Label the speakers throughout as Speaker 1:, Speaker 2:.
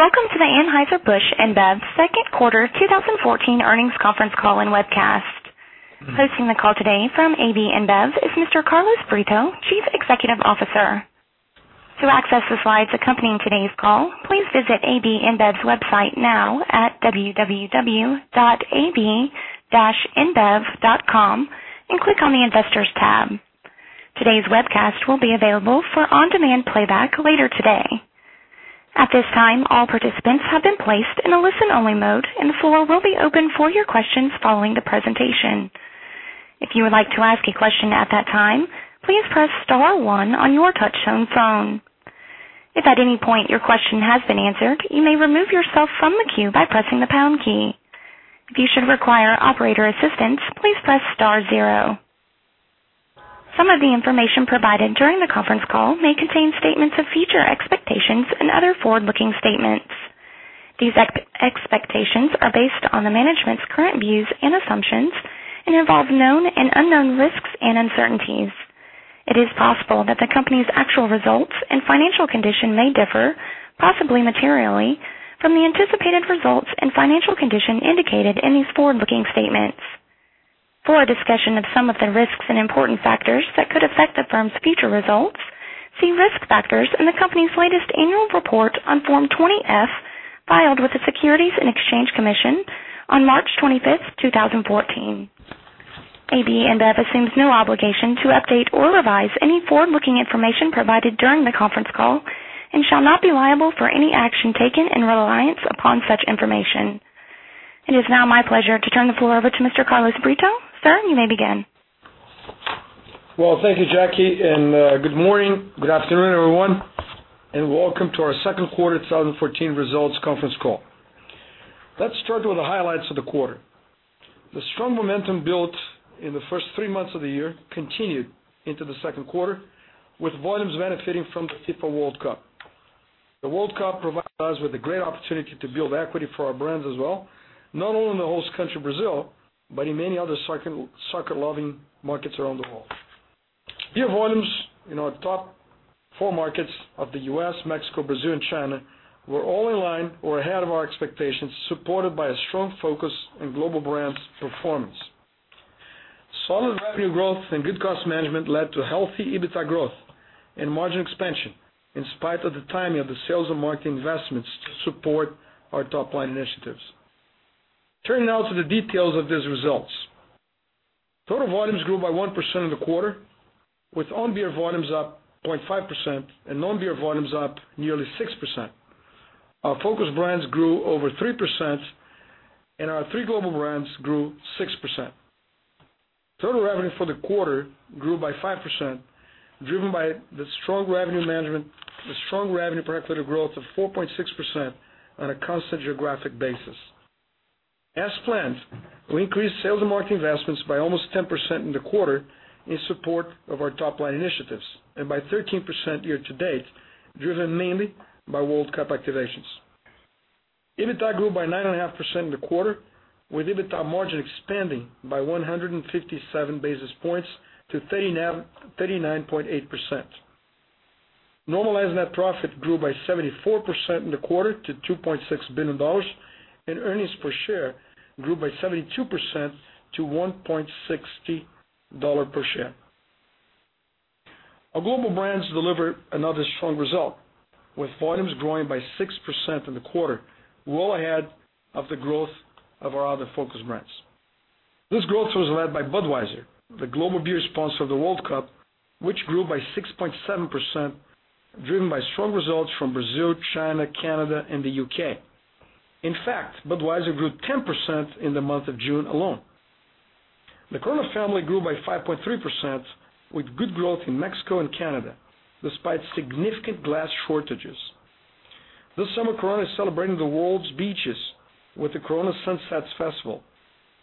Speaker 1: Welcome to the Anheuser-Busch InBev second quarter 2014 earnings conference call and webcast. Hosting the call today from AB InBev is Mr. Carlos Brito, Chief Executive Officer. To access the slides accompanying today's call, please visit AB InBev's website now at www.ab-inbev.com and click on the Investors tab. Today's webcast will be available for on-demand playback later today. At this time, all participants have been placed in a listen-only mode, and the floor will be open for your questions following the presentation. If you would like to ask a question at that time, please press *1 on your touchtone phone. If at any point your question has been answered, you may remove yourself from the queue by pressing the # key. If you should require operator assistance, please press *0. Some of the information provided during the conference call may contain statements of future expectations and other forward-looking statements. These expectations are based on the management's current views and assumptions and involve known and unknown risks and uncertainties. It is possible that the company's actual results and financial condition may differ, possibly materially, from the anticipated results and financial condition indicated in these forward-looking statements. For a discussion of some of the risks and important factors that could affect the firm's future results, see risk factors in the company's latest annual report on Form 20-F filed with the Securities and Exchange Commission on March 25th, 2014. AB InBev assumes no obligation to update or revise any forward-looking information provided during the conference call and shall not be liable for any action taken in reliance upon such information. It is now my pleasure to turn the floor over to Mr. Carlos Brito. Sir, you may begin.
Speaker 2: Well, thank you, Jackie, good morning, good afternoon, everyone, welcome to our second quarter 2014 results conference call. Let's start with the highlights of the quarter. The strong momentum built in the first three months of the year continued into the second quarter, with volumes benefiting from the FIFA World Cup. The World Cup provides us with a great opportunity to build equity for our brands as well, not only in the host country, Brazil, but in many other soccer-loving markets around the world. Beer volumes in our top four markets of the U.S., Mexico, Brazil, and China were all in line or ahead of our expectations, supported by a strong focus on global brands' performance. Solid revenue growth and good cost management led to healthy EBITDA growth and margin expansion, in spite of the timing of the sales and marketing investments to support our top-line initiatives. Turning now to the details of these results. Total volumes grew by 1% in the quarter, with on-beer volumes up 0.5% and non-beer volumes up nearly 6%. Our focus brands grew over 3%, our three global brands grew 6%. Total revenue for the quarter grew by 5%, driven by the strong revenue management, the strong revenue per hectolitre growth of 4.6% on a constant geographic basis. As planned, we increased sales and marketing investments by almost 10% in the quarter in support of our top-line initiatives, by 13% year-to-date, driven mainly by World Cup activations. EBITDA grew by 9.5% in the quarter, with EBITDA margin expanding by 157 basis points to 39.8%. Normalized net profit grew by 74% in the quarter to $2.6 billion, earnings per share grew by 72% to $1.60 per share. Our global brands delivered another strong result, with volumes growing by 6% in the quarter, well ahead of the growth of our other focus brands. This growth was led by Budweiser, the global beer sponsor of the World Cup, which grew by 6.7%, driven by strong results from Brazil, China, Canada, and the U.K. In fact, Budweiser grew 10% in the month of June alone. The Corona family grew by 5.3%, with good growth in Mexico and Canada, despite significant glass shortages. This summer, Corona is celebrating the world's beaches with the Corona Sunsets Festival,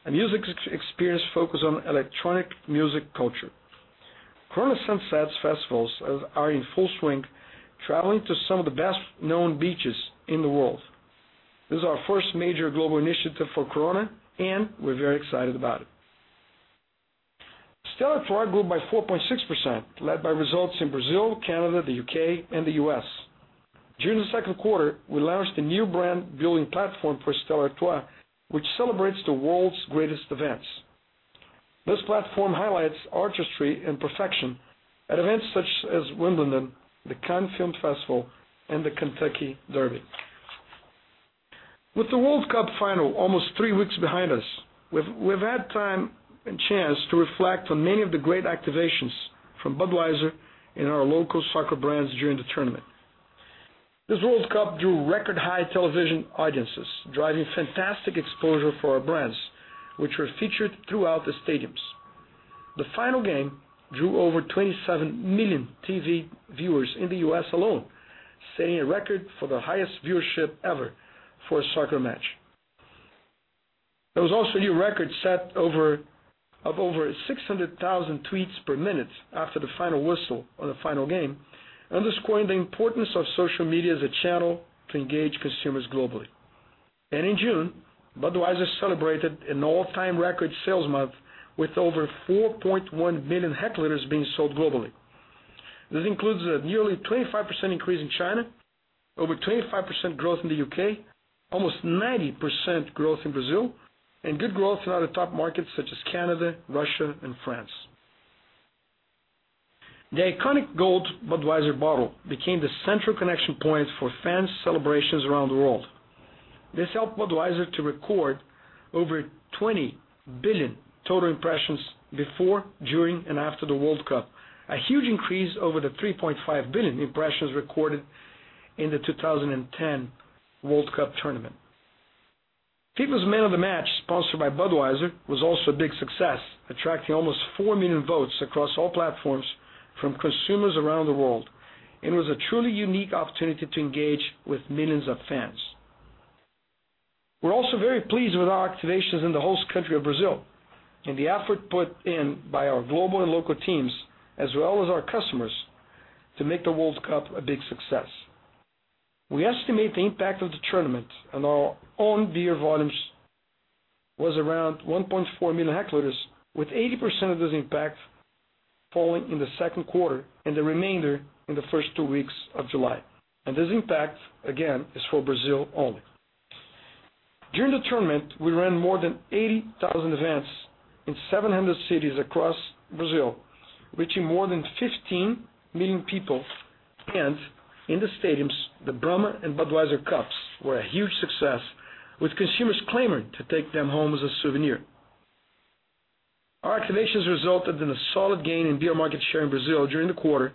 Speaker 2: a music experience focused on electronic music culture. Corona Sunsets Festivals are in full swing, traveling to some of the best-known beaches in the world. This is our first major global initiative for Corona, we're very excited about it. Stella Artois grew by 4.6%, led by results in Brazil, Canada, the U.K., and the U.S. During the second quarter, we launched a new brand-building platform for Stella Artois, which celebrates the world's greatest events. This platform highlights artistry and perfection at events such as Wimbledon, the Cannes Film Festival, and the Kentucky Derby. With the World Cup final almost three weeks behind us, we've had time and chance to reflect on many of the great activations from Budweiser and our local soccer brands during the tournament. This World Cup drew record-high television audiences, driving fantastic exposure for our brands, which were featured throughout the stadiums. The final game drew over 27 million TV viewers in the U.S. alone, setting a record for the highest viewership ever for a soccer match. There was also a new record set of over 600,000 tweets per minute after the final whistle on the final game, underscoring the importance of social media as a channel to engage consumers globally. In June, Budweiser celebrated an all-time record sales month with over 4.1 million hectoliters being sold globally. This includes a nearly 25% increase in China, over 25% growth in the U.K., almost 90% growth in Brazil, and good growth in other top markets such as Canada, Russia and France. The iconic gold Budweiser bottle became the central connection point for fans' celebrations around the world. This helped Budweiser to record over 20 billion total impressions before, during, and after the World Cup. A huge increase over the 3.5 billion impressions recorded in the 2010 World Cup tournament. FIFA's Man of the Match, sponsored by Budweiser, was also a big success, attracting almost 4 million votes across all platforms from consumers around the world and was a truly unique opportunity to engage with millions of fans. We're also very pleased with our activations in the host country of Brazil, and the effort put in by our global and local teams, as well as our customers, to make the World Cup a big success. We estimate the impact of the tournament on our own beer volumes was around 1.4 million hectoliters, with 80% of this impact falling in the second quarter and the remainder in the first two weeks of July. This impact, again, is for Brazil only. During the tournament, we ran more than 80,000 events in 700 cities across Brazil, reaching more than 15 million people. In the stadiums, the Brahma and Budweiser cups were a huge success, with consumers clamoring to take them home as a souvenir. Our activations resulted in a solid gain in beer market share in Brazil during the quarter,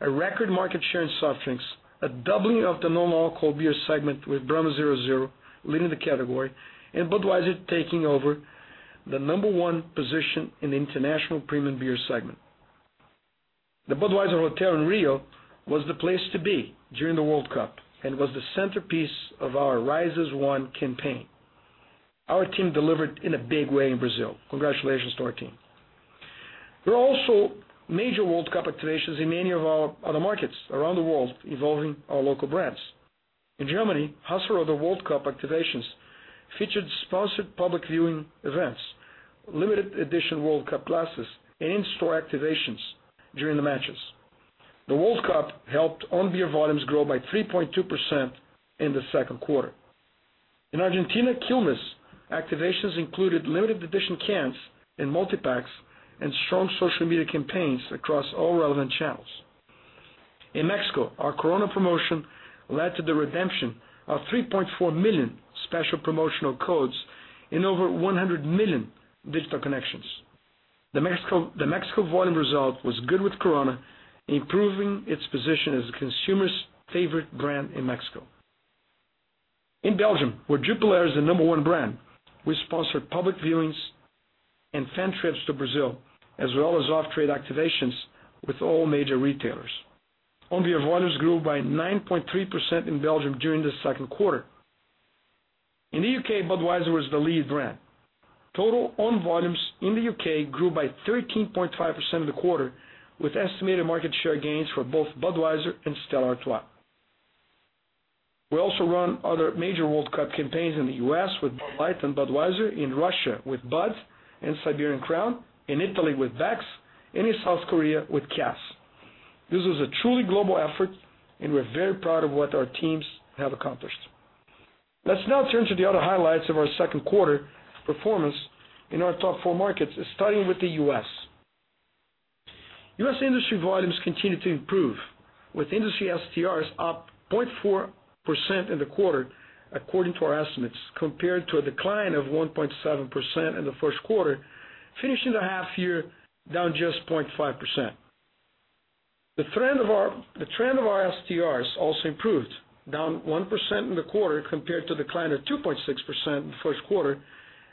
Speaker 2: a record market share in soft drinks, a doubling of the non-alcohol beer segment with Brahma 0.0% leading the category, and Budweiser taking over the number one position in the international premium beer segment. The Budweiser Hotel in Rio was the place to be during the World Cup and was the centerpiece of our Rise as One campaign. Our team delivered in a big way in Brazil. Congratulations to our team. There were also major World Cup activations in many of our other markets around the world involving our local brands. In Germany, Hasseröder World Cup activations featured sponsored public viewing events, limited edition World Cup glasses, and in-store activations during the matches. The World Cup helped on-beer volumes grow by 3.2% in the second quarter. In Argentina, Quilmes activations included limited edition cans and multipacks and strong social media campaigns across all relevant channels. In Mexico, our Corona promotion led to the redemption of 3.4 million special promotional codes in over 100 million digital connections. The Mexico volume result was good, with Corona improving its position as a consumer's favorite brand in Mexico. In Belgium, where Jupiler is the number one brand, we sponsored public viewings and fan trips to Brazil, as well as off-trade activations with all major retailers. On-beer volumes grew by 9.3% in Belgium during the second quarter. In the U.K., Budweiser was the lead brand. Total on volumes in the U.K. grew by 13.5% in the quarter, with estimated market share gains for both Budweiser and Stella Artois. We also run other major World Cup campaigns in the U.S. with Bud Light and Budweiser, in Russia with Bud and Siberian Crown, in Italy with Beck's, and in South Korea with Cass. This was a truly global effort and we're very proud of what our teams have accomplished. Let's now turn to the other highlights of our second quarter performance in our top four markets, starting with the U.S. U.S. industry volumes continued to improve, with industry STRs up 0.4% in the quarter according to our estimates, compared to a decline of 1.7% in the first quarter, finishing the half year down just 0.5%. The trend of our STRs also improved, down 1% in the quarter compared to decline of 2.6% in the first quarter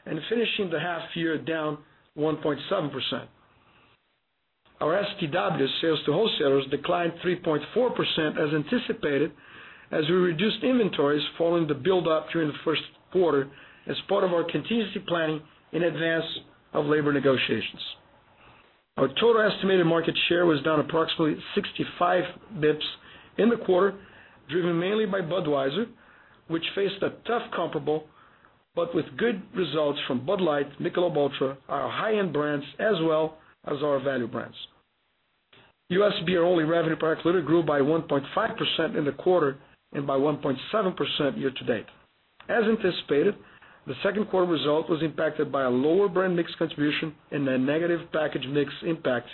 Speaker 2: and finishing the half year down 1.7%. Our STW, sales to wholesalers, declined 3.4% as anticipated as we reduced inventories following the build-up during the first quarter as part of our contingency planning in advance of labor negotiations. Our total estimated market share was down approximately 65 basis points in the quarter, driven mainly by Budweiser, which faced a tough comparable, but with good results from Bud Light, Michelob ULTRA, our high-end brands, as well as our value brands. U.S. beer only revenue packs literally grew by 1.5% in the quarter and by 1.7% year to date. As anticipated, the second quarter result was impacted by a lower brand mix contribution and a negative package mix impact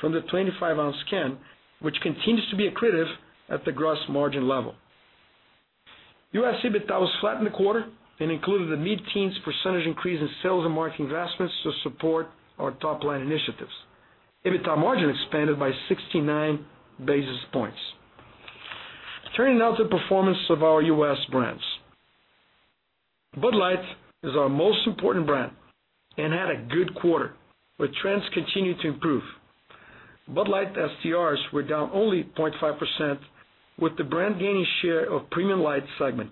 Speaker 2: from the 25oz can, which continues to be accretive at the gross margin level. U.S. EBITDA was flat in the quarter and included a mid-teens percentage increase in sales and marketing investments to support our top-line initiatives. EBITDA margin expanded by 69 basis points. Turning now to performance of our U.S. brands. Bud Light is our most important brand and had a good quarter, where trends continue to improve. Bud Light STRs were down only 0.5% with the brand gaining share of premium light segment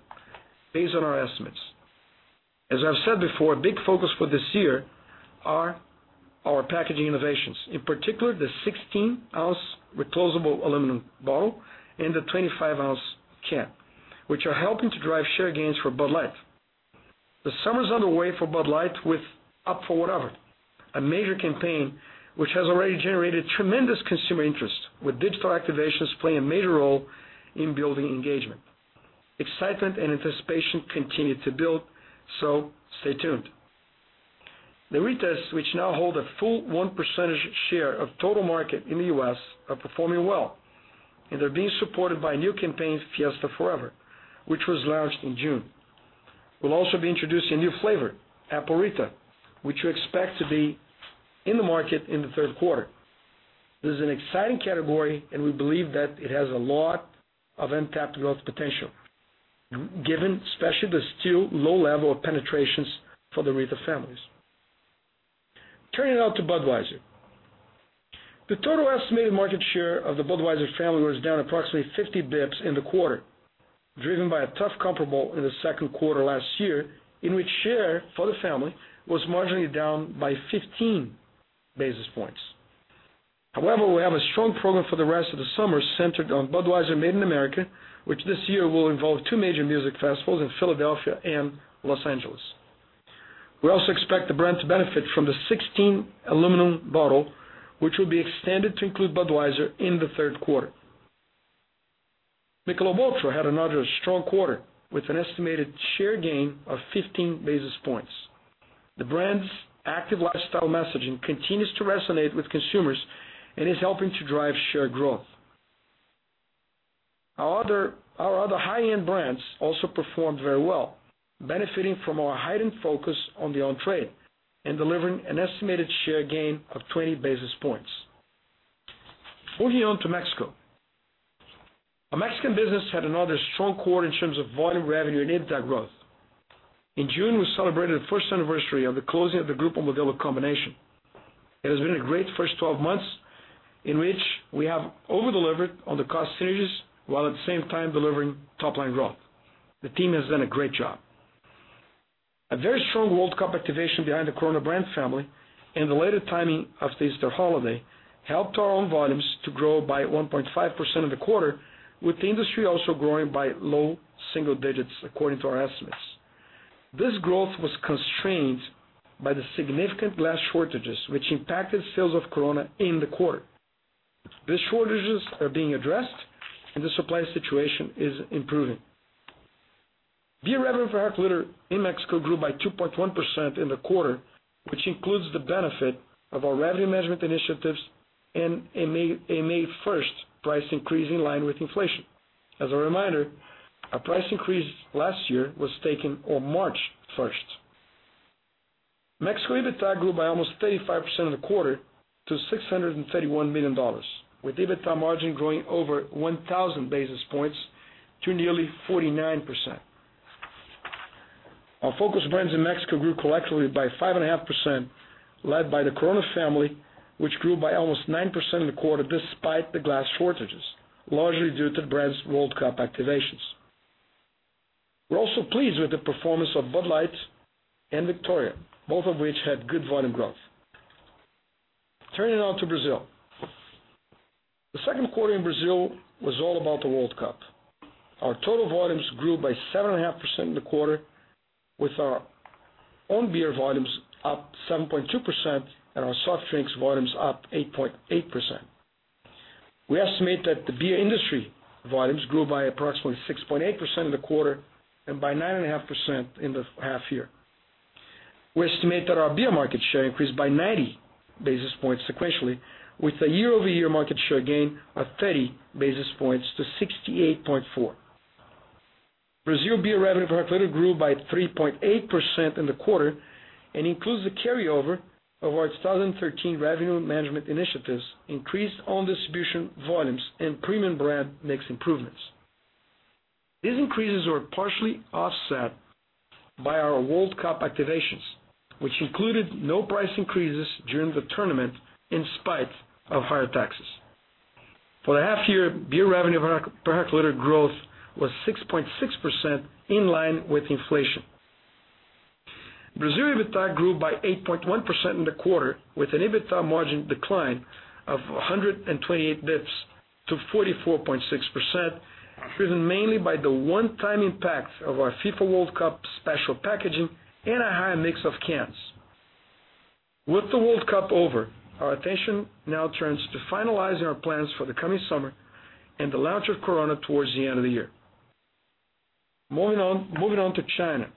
Speaker 2: based on our estimates. As I've said before, a big focus for this year are our packaging innovations, in particular the 16oz reclosable aluminum bottle and the 25oz can, which are helping to drive share gains for Bud Light. The summer's underway for Bud Light with Up For Whatever, a major campaign which has already generated tremendous consumer interest, with digital activations playing a major role in building engagement. Excitement and anticipation continue to build, stay tuned. The Ritas, which now hold a full 1% share of total market in the U.S., are performing well, and they're being supported by a new campaign, Fiesta Forever, which was launched in June. We'll also be introducing a new flavor, Apple Rita, which we expect to be in the market in the third quarter. This is an exciting category, we believe that it has a lot of untapped growth potential, given especially the still low level of penetrations for the Rita families. Turning now to Budweiser. The total estimated market share of the Budweiser family was down approximately 50 basis points in the quarter, driven by a tough comparable in the second quarter last year, in which share for the family was marginally down by 15 basis points. We have a strong program for the rest of the summer centered on Budweiser Made In America, which this year will involve two major music festivals in Philadelphia and Los Angeles. We also expect the brand to benefit from the 16-ounce aluminum bottle, which will be extended to include Budweiser in the third quarter. Michelob ULTRA had another strong quarter, with an estimated share gain of 15 basis points. The brand's active lifestyle messaging continues to resonate with consumers and is helping to drive share growth. Our other high-end brands also performed very well, benefiting from our heightened focus on the on-trade and delivering an estimated share gain of 20 basis points. Moving on to Mexico. Our Mexican business had another strong quarter in terms of volume revenue and EBITDA growth. In June, we celebrated the first anniversary of the closing of the Grupo Modelo combination. It has been a great first 12 months in which we have over-delivered on the cost synergies while at the same time delivering top-line growth. The team has done a great job. A very strong World Cup activation behind the Corona brand family and the later timing of the Easter holiday helped our own volumes to grow by 1.5% in the quarter, with the industry also growing by low single digits according to our estimates. This growth was constrained by the significant glass shortages, which impacted sales of Corona in the quarter. These shortages are being addressed, and the supply situation is improving. Beer revenue per hectoliter in Mexico grew by 2.1% in the quarter, which includes the benefit of our revenue management initiatives and a May 1st price increase in line with inflation. As a reminder, our price increase last year was taken on March 1st. Mexico EBITDA grew by almost 35% in the quarter to $631 million, with EBITDA margin growing over 1,000 basis points to nearly 49%. Our focus brands in Mexico grew collectively by 5.5%, led by the Corona family, which grew by almost 9% in the quarter despite the glass shortages, largely due to the brand's World Cup activations. We are also pleased with the performance of Bud Light and Victoria, both of which had good volume growth. Turning now to Brazil. The second quarter in Brazil was all about the World Cup. Our total volumes grew by 7.5% in the quarter, with our own beer volumes up 7.2% and our soft drinks volumes up 8.8%. We estimate that the beer industry volumes grew by approximately 6.8% in the quarter and by 9.5% in the half-year. We estimate that our beer market share increased by 90 basis points sequentially, with a year-over-year market share gain of 30 basis points to 68.4%. Brazil beer revenue per hectoliter grew by 3.8% in the quarter and includes the carryover of our 2013 revenue management initiatives, increased own distribution volumes, and premium brand mix improvements. These increases were partially offset by our World Cup activations, which included no price increases during the tournament in spite of higher taxes. For the half-year, beer revenue per hectoliter growth was 6.6%, in line with inflation. Brazil EBITDA grew by 8.1% in the quarter, with an EBITDA margin decline of 128 basis points to 44.6%, driven mainly by the one-time impact of our FIFA World Cup special packaging and a higher mix of cans. With the World Cup over, our attention now turns to finalizing our plans for the coming summer and the launch of Corona towards the end of the year. Moving on to China.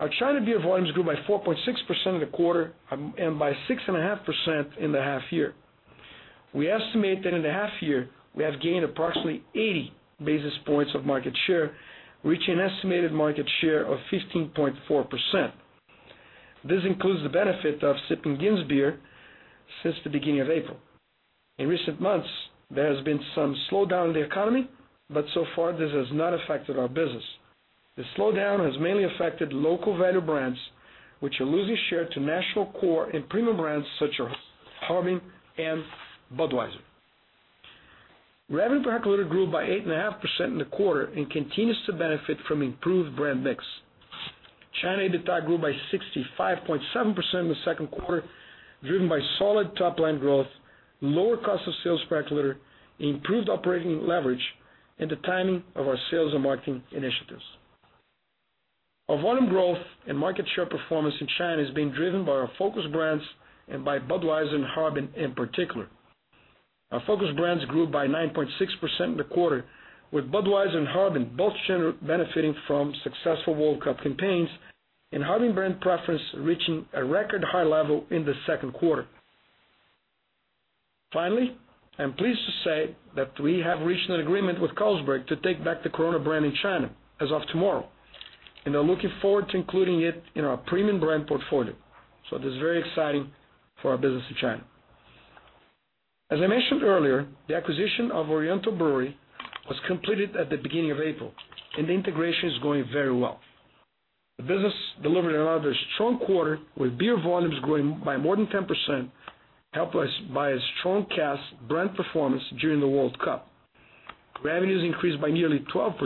Speaker 2: Our China beer volumes grew by 4.6% in the quarter and by 6.5% in the half year. We estimate that in the half year, we have gained approximately 80 basis points of market share, reaching an estimated market share of 15.4%. This includes the benefit of Siping Ginsber beer since the beginning of April. In recent months, there has been some slowdown in the economy, but so far this has not affected our business. The slowdown has mainly affected local value brands, which are losing share to national core and premium brands such as Harbin and Budweiser. Revenue per hectoliter grew by 8.5% in the quarter and continues to benefit from improved brand mix. China EBITDA grew by 65.7% in the second quarter, driven by solid top-line growth, lower cost of sales per hectare, improved operating leverage, and the timing of our sales and marketing initiatives. Our volume growth and market share performance in China is being driven by our focused brands and by Budweiser and Harbin in particular. Our focused brands grew by 9.6% in the quarter, with Budweiser and Harbin both benefiting from successful World Cup campaigns, and Harbin brand preference reaching a record high level in the second quarter. Finally, I'm pleased to say that we have reached an agreement with Carlsberg to take back the Corona brand in China as of tomorrow. Are looking forward to including it in our premium brand portfolio. This is very exciting for our business in China. As I mentioned earlier, the acquisition of Oriental Brewery was completed at the beginning of April, and the integration is going very well. The business delivered another strong quarter, with beer volumes growing by more than 10%, helped by a strong Cass brand performance during the World Cup. Revenues increased by nearly 12%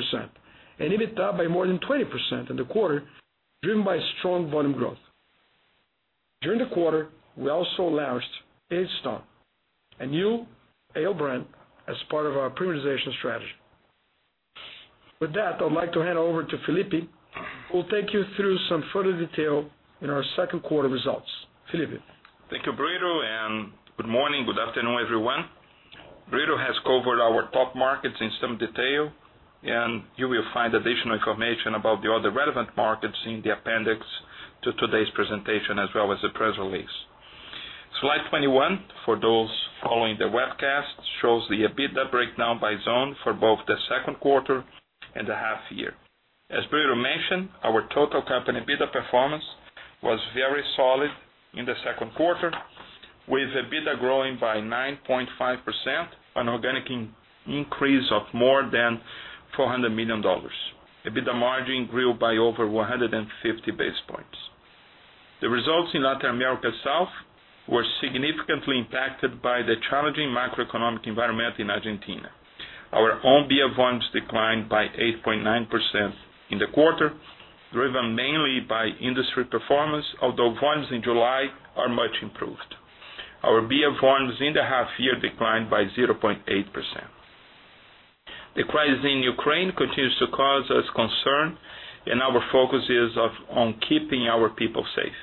Speaker 2: and EBITA by more than 20% in the quarter, driven by strong volume growth. During the quarter, we also launched Innstone, a new ale brand, as part of our premiumization strategy. With that, I'd like to hand over to Felipe, who'll take you through some further detail in our second quarter results. Felipe.
Speaker 3: Thank you, Brito. Good morning, good afternoon, everyone. Brito has covered our top markets in some detail. You will find additional information about the other relevant markets in the appendix to today's presentation as well as the press release. Slide 21, for those following the webcast, shows the EBITDA breakdown by zone for both the second quarter and the half-year. As Brito mentioned, our total company EBITDA performance was very solid in the second quarter, with EBITDA growing by 9.5%, an organic increase of more than $400 million. EBITDA margin grew by over 150 basis points. The results in Latin America South were significantly impacted by the challenging macroeconomic environment in Argentina. Our own beer volumes declined by 8.9% in the quarter, driven mainly by industry performance, although volumes in July are much improved. Our beer volumes in the half-year declined by 0.8%. The crisis in Ukraine continues to cause us concern. Our focus is on keeping our people safe.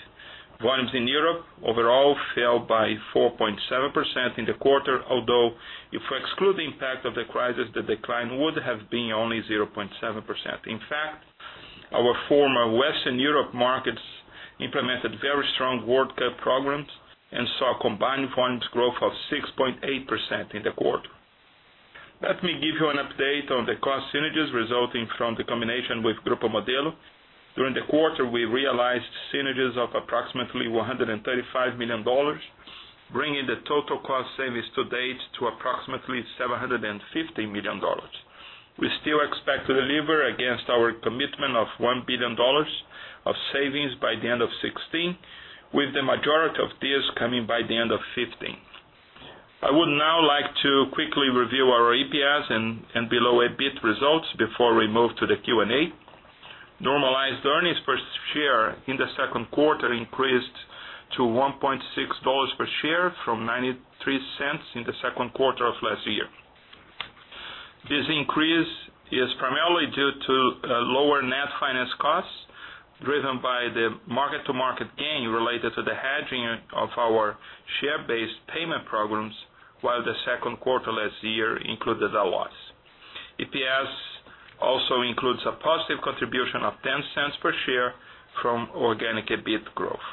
Speaker 3: Volumes in Europe overall fell by 4.7% in the quarter, although if we exclude the impact of the crisis, the decline would have been only 0.7%. In fact, our former Western Europe markets implemented very strong World Cup programs and saw a combined volumes growth of 6.8% in the quarter. Let me give you an update on the cost synergies resulting from the combination with Grupo Modelo. During the quarter, we realized synergies of approximately $135 million, bringing the total cost savings to date to approximately $750 million. We still expect to deliver against our commitment of $1 billion of savings by the end of 2016, with the majority of this coming by the end of 2015. I would now like to quickly review our EPS and below EBIT results before we move to the Q&A. Normalized earnings per share in the second quarter increased to $1.6 per share from $0.93 in the second quarter of last year. This increase is primarily due to lower net finance costs, driven by the market-to-market gain related to the hedging of our share-based payment programs, while the second quarter last year included a loss. EPS also includes a positive contribution of $0.10 per share from organic EBIT growth.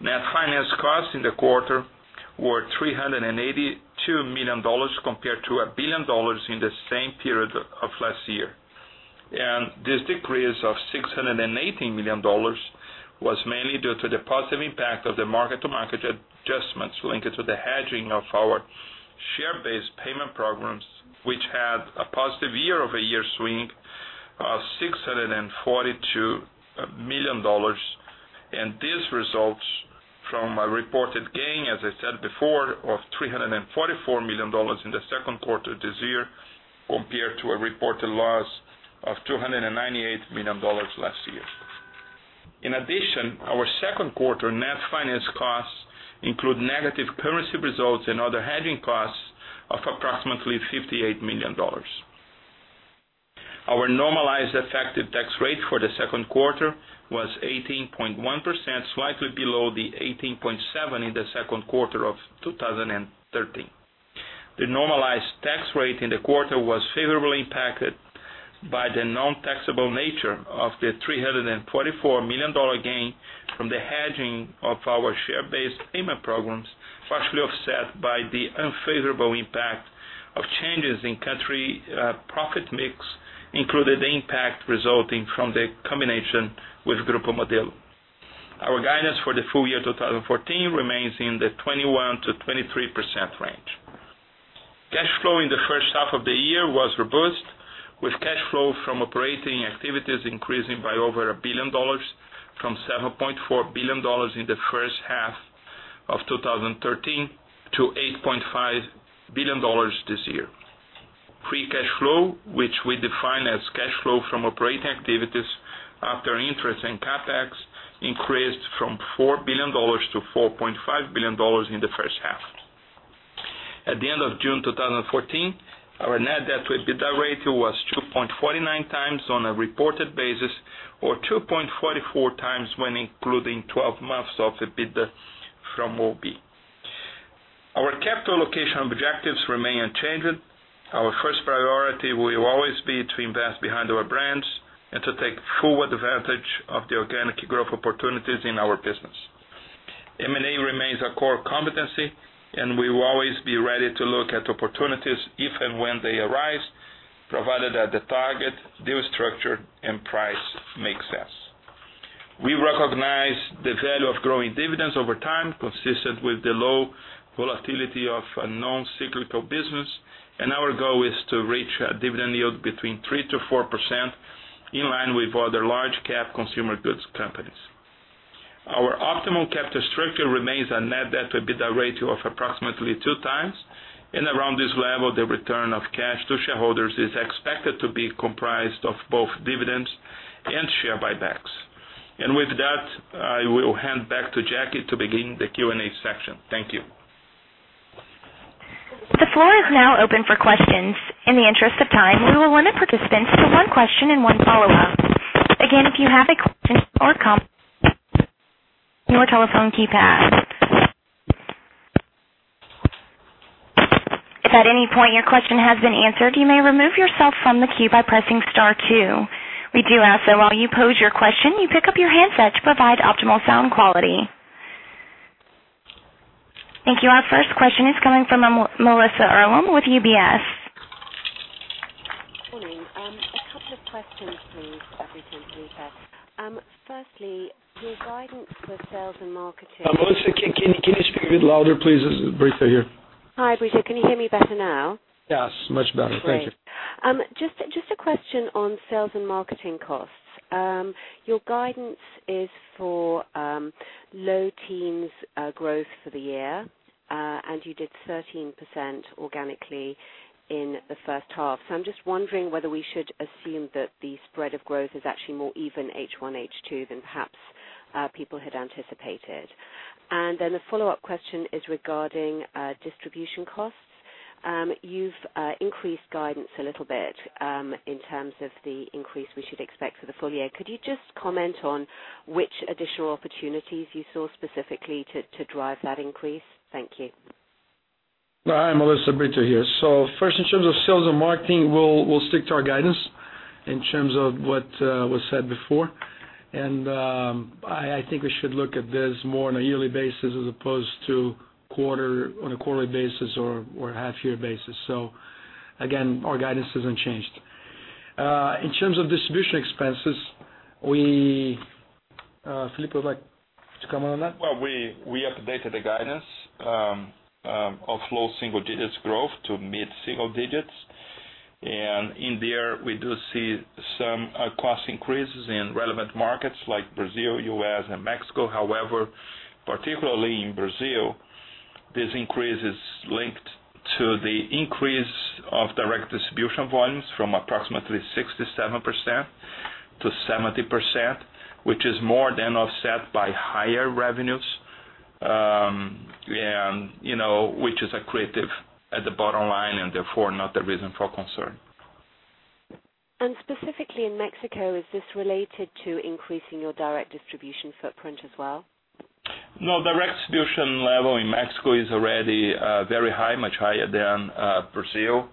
Speaker 3: Net finance costs in the quarter were $382 million compared to $1 billion in the same period of last year. This decrease of $618 million was mainly due to the positive impact of the market-to-market adjustments linked to the hedging of our share-based payment programs, which had a positive year-over-year swing of $642 million. This results from a reported gain, as I said before, of $344 million in the second quarter this year, compared to a reported loss of $298 million last year. In addition, our second quarter net finance costs include negative currency results and other hedging costs of approximately $58 million. Our normalized effective tax rate for the second quarter was 18.1%, slightly below the 18.7% in the second quarter of 2013. The normalized tax rate in the quarter was favorably impacted by the non-taxable nature of the $344 million gain from the hedging of our share-based payment programs, partially offset by the unfavorable impact of changes in country profit mix, including the impact resulting from the combination with Grupo Modelo. Our guidance for the full year 2014 remains in the 21%-23% range. Cash flow in the first half of the year was robust, with cash flow from operating activities increasing by over $1 billion from $7.4 billion in the first half of 2013 to $8.5 billion this year. Free cash flow, which we define as cash flow from operating activities after interest and CapEx, increased from $4 billion to $4.5 billion in the first half. At the end of June 2014, our net debt to EBITDA ratio was 2.49 times on a reported basis, or 2.44 times when including 12 months of EBITDA from OB. Our capital allocation objectives remain unchanged. Our first priority will always be to invest behind our brands and to take full advantage of the organic growth opportunities in our business. M&A remains a core competency. We will always be ready to look at opportunities if and when they arise, provided that the target, deal structure, and price make sense. We recognize the value of growing dividends over time, consistent with the low volatility of a non-cyclical business, and our goal is to reach a dividend yield between 3% and 4%, in line with other large cap consumer goods companies. Our optimal capital structure remains a net debt to EBITDA ratio of approximately 2 times. Around this level, the return of cash to shareholders is expected to be comprised of both dividends and share buybacks. With that, I will hand back to Jackie to begin the Q&A section. Thank you.
Speaker 1: The floor is now open for questions. In the interest of time, we will limit participants to one question and one follow-up. Again, if you have a question or comment, your telephone keypad. If at any point your question has been answered, you may remove yourself from the queue by pressing star two. We do ask that while you pose your question, you pick up your handset to provide optimal sound quality. Thank you. Our first question is coming from Melissa Earlam with UBS.
Speaker 4: Morning. A couple of questions, please, Brito. Firstly, your guidance for sales and marketing-
Speaker 2: Melissa, can you speak a bit louder, please? This is Brito here.
Speaker 4: Hi, Brito. Can you hear me better now?
Speaker 2: Yes, much better. Thank you.
Speaker 4: Great. Just a question on sales and marketing costs. Your guidance is for low teens growth for the year. You did 13% organically in the first half. I'm just wondering whether we should assume that the spread of growth is actually more even H1, H2 than perhaps people had anticipated. A follow-up question is regarding distribution costs. You've increased guidance a little bit in terms of the increase we should expect for the full year. Could you just comment on which additional opportunities you saw specifically to drive that increase? Thank you.
Speaker 2: Hi, Melissa. Brito here. First, in terms of sales and marketing, we'll stick to our guidance in terms of what was said before. I think we should look at this more on a yearly basis as opposed to on a quarterly basis or a half-year basis. Again, our guidance hasn't changed. In terms of distribution expenses, Felipe, would you like to comment on that? We updated the guidance of low single digits growth to mid-single digits. In there, we do see some cost increases in relevant markets like Brazil, U.S., and Mexico. Particularly in Brazil, this increase is linked to the increase of direct distribution volumes from approximately 67% to 70%, which is more than offset by higher revenues, which is accretive at the bottom line, therefore, not a reason for concern.
Speaker 4: Specifically in Mexico, is this related to increasing your direct distribution footprint as well?
Speaker 3: No, direct distribution level in Mexico is already very high, much higher than Brazil,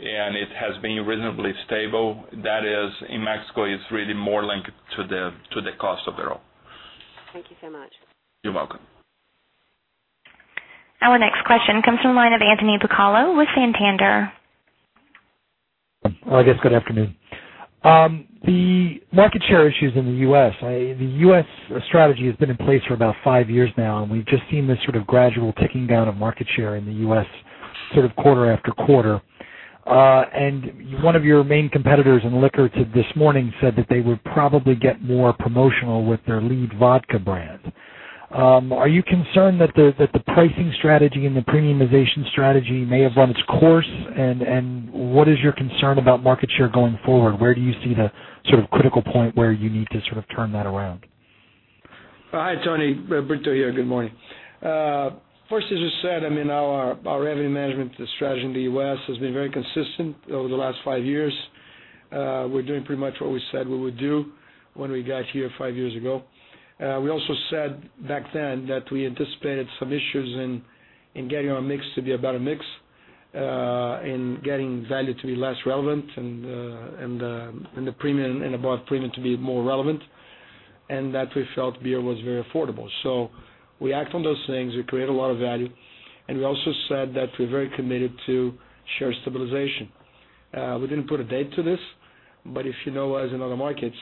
Speaker 3: and it has been reasonably stable. That is, in Mexico, it's really more linked to the cost per barrel.
Speaker 4: Thank you so much.
Speaker 3: You're welcome.
Speaker 1: Our next question comes from the line of Anthony Bucalo with Santander.
Speaker 5: I guess good afternoon. The market share issues in the U.S. The U.S. strategy has been in place for about five years now, and we've just seen this sort of gradual ticking down of market share in the U.S. sort of quarter after quarter. One of your main competitors in liquor this morning said that they would probably get more promotional with their lead vodka brand. Are you concerned that the pricing strategy and the premiumization strategy may have run its course? What is your concern about market share going forward? Where do you see the sort of critical point where you need to sort of turn that around?
Speaker 2: Hi, Tony. Brito here, good morning. First, as we said, our revenue management strategy in the U.S. has been very consistent over the last five years. We're doing pretty much what we said we would do when we got here five years ago. We also said back then that we anticipated some issues in getting our mix to be a better mix, in getting value to be less relevant and above premium to be more relevant, and that we felt beer was very affordable. We act on those things. We create a lot of value. We also said that we're very committed to share stabilization.
Speaker 3: We didn't put a date to this, but if you know us in other markets,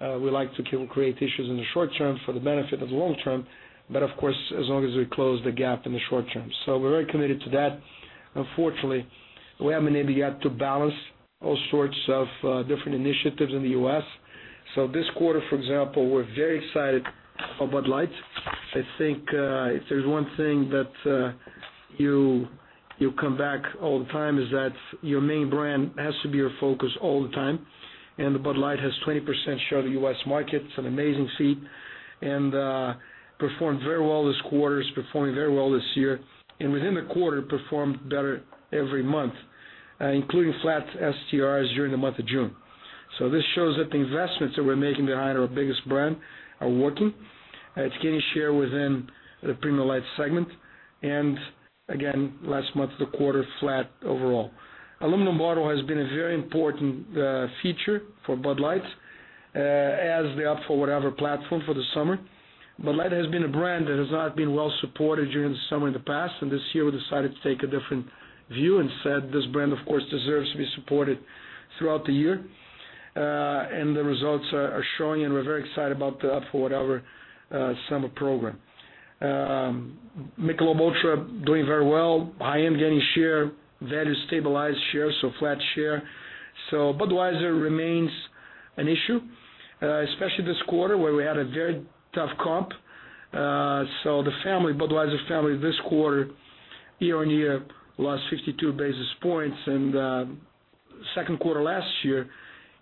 Speaker 3: we like to create issues in the short term for the benefit of the long term, but of course, as long as we close the gap in the short term. We're very committed to that. Unfortunately, we have maybe yet to balance all sorts of different initiatives in the U.S.
Speaker 2: This quarter, for example, we're very excited about Bud Light. I think, if there's one thing that you come back all the time is that your main brand has to be your focus all the time, and Bud Light has 20% share of the U.S. market. It's an amazing feat and performed very well this quarter. It's performing very well this year, and within the quarter, performed better every month, including flat STRs during the month of June. This shows that the investments that we're making behind our biggest brand are working. It's gaining share within the premium light segment. Again, last month, the quarter, flat overall. Aluminum bottle has been a very important feature for Bud Light, as the Up for Whatever platform for the summer. Bud Light has been a brand that has not been well supported during the summer in the past. This year we decided to take a different view and said, "This brand, of course, deserves to be supported throughout the year." The results are showing, and we're very excited about the Up For Whatever summer program. Michelob ULTRA doing very well. High-end gaining share. Value-stabilized share, so flat share. Budweiser remains an issue, especially this quarter, where we had a very tough comp. The family, Budweiser family this quarter, year-on-year, lost 52 basis points and, second quarter last year,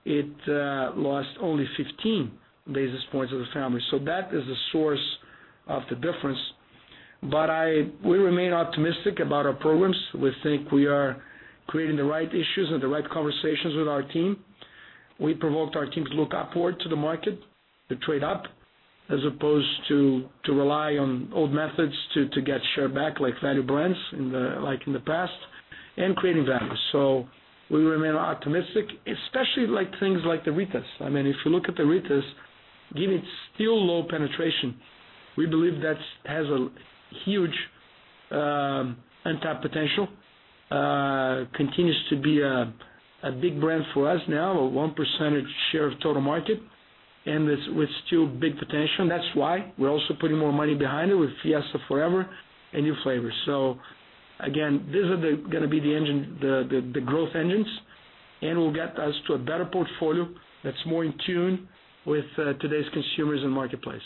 Speaker 2: it lost only 15 basis points of the family. That is the source of the difference. We remain optimistic about our programs. We think we are creating the right issues and the right conversations with our team. We provoked our team to look upward to the market, to trade up as opposed to rely on old methods to get share back like value brands like in the past and creating value. We remain optimistic, especially things like the Ritas. If you look at the Ritas, given its still low penetration, we believe that has a huge untapped potential, continues to be a big brand for us now, a 1% share of total market, and with still big potential. That's why we're also putting more money behind it with Fiesta Forever and new flavors. Again, these are going to be the growth engines, and will get us to a better portfolio that's more in tune with today's consumers and marketplace.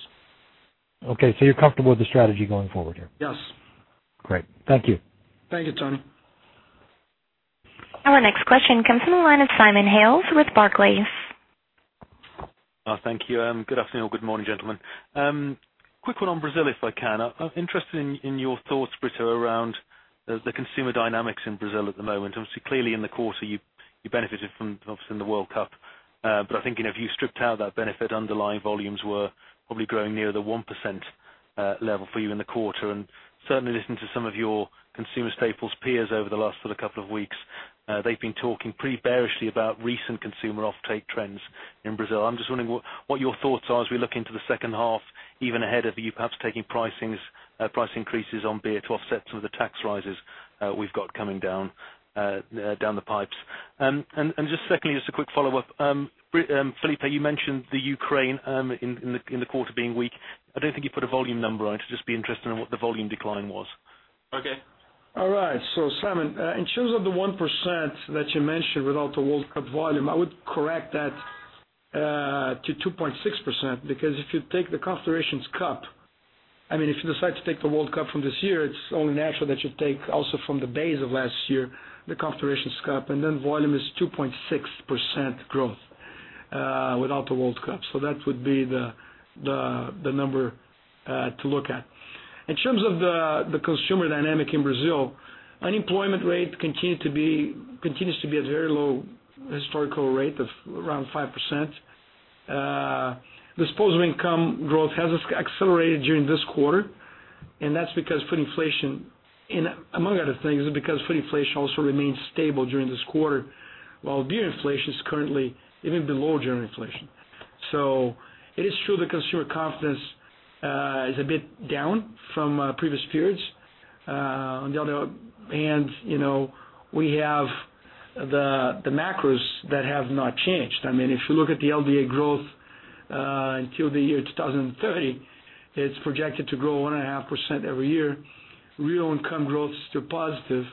Speaker 5: Okay, you're comfortable with the strategy going forward here?
Speaker 2: Yes.
Speaker 5: Great. Thank you.
Speaker 2: Thank you, Tony.
Speaker 1: Our next question comes from the line of Simon Hales with Barclays.
Speaker 6: Thank you. Good afternoon, good morning, gentlemen. Quick one on Brazil, if I can. I'm interested in your thoughts, Brito, around the consumer dynamics in Brazil at the moment. Obviously, clearly in the quarter you benefited from, obviously, in the World Cup. I think, if you stripped out that benefit, underlying volumes were probably growing near the 1% level for you in the quarter. Certainly listening to some of your consumer staples peers over the last couple of weeks, they've been talking pretty bearishly about recent consumer offtake trends in Brazil. I'm just wondering what your thoughts are as we look into the second half, even ahead of you perhaps taking price increases on beer to offset some of the tax rises we've got coming down the pipes. Secondly, just a quick follow-up. Felipe, you mentioned the Ukraine in the quarter being weak. I don't think you put a volume number on it. Just would be interested in what the volume decline was.
Speaker 2: Okay. Simon, in terms of the 1% that you mentioned without the World Cup volume, I would correct that to 2.6%, because if you take the Confederations Cup, if you decide to take the World Cup from this year, it is only natural that you take also from the base of last year, the Confederations Cup, then volume is 2.6% growth, without the World Cup. That would be the number to look at. In terms of the consumer dynamic in Brazil, unemployment rate continues to be at very low historical rate of around 5%. Disposable income growth has accelerated during this quarter, and that is because food inflation, and among other things, because food inflation also remained stable during this quarter, while beer inflation is currently even below general inflation. It is true the consumer confidence is a bit down from previous periods. On the other hand, we have the macros that have not changed. If you look at the LDA growth, until the year 2030, it is projected to grow 1.5% every year. Real income growth is still positive,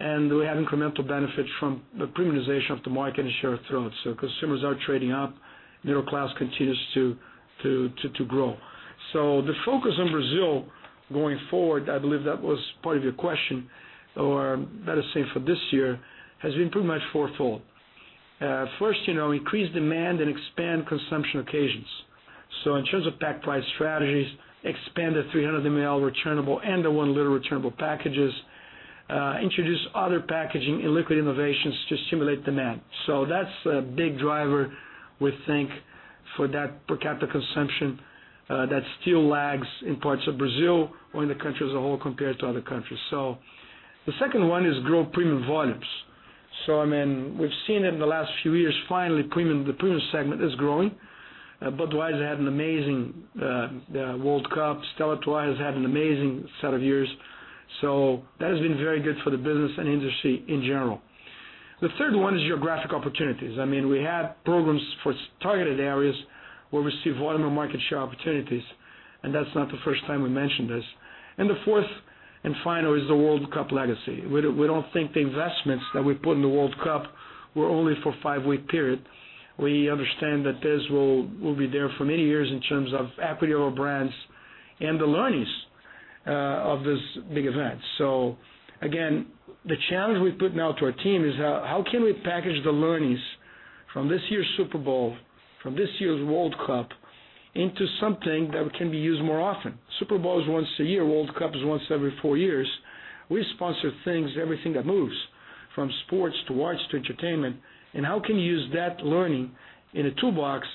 Speaker 2: and we have incremental benefits from the premiumization of the market and share of throat. Consumers are trading up. Middle class continues to grow. The focus on Brazil going forward, I believe that was part of your question, or let us say for this year, has been pretty much fourfold. First, increase demand and expand consumption occasions. In terms of pack price strategies, expand the 300 ml returnable and the one-liter returnable packages, introduce other packaging and liquid innovations to stimulate demand. That is a big driver, we think, for that per capita consumption that still lags in parts of Brazil or in the country as a whole compared to other countries. The second one is grow premium volumes. We have seen in the last few years, finally, the premium segment is growing. Budweiser had an amazing World Cup. Stella Artois had an amazing set of years. That has been very good for the business and industry in general. The third one is geographic opportunities. We have programs for targeted areas where we see volume or market share opportunities. That is not the first time we have mentioned this. The fourth and final is the World Cup legacy. We do not think the investments that we put in the World Cup were only for a five-week period. We understand that this will be there for many years in terms of equity of our brands and the learnings of this big event. Again, the challenge we put now to our team is how can we package the learnings from this year's Super Bowl, from this year's World Cup, into something that can be used more often. Super Bowl is once a year, World Cup is once every four years. We sponsor things, everything that moves, from sports to watch to entertainment, and how can you use that learning in a toolbox,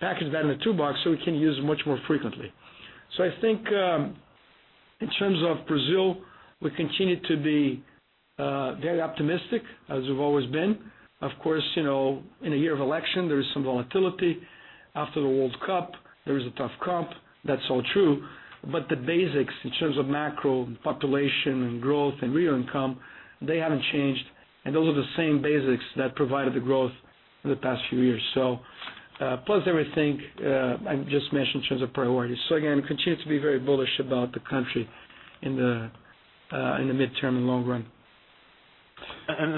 Speaker 2: package that in a toolbox we can use it much more frequently. I think, in terms of Brazil, we continue to be very optimistic, as we have always been. Of course, in a year of election, there is some volatility. After the World Cup, there is a tough comp, that is all true. The basics, in terms of macro and population and growth and real income, they haven't changed, and those are the same basics that provided the growth for the past few years. Plus everything I just mentioned in terms of priorities. Again, we continue to be very bullish about the country in the midterm and long run.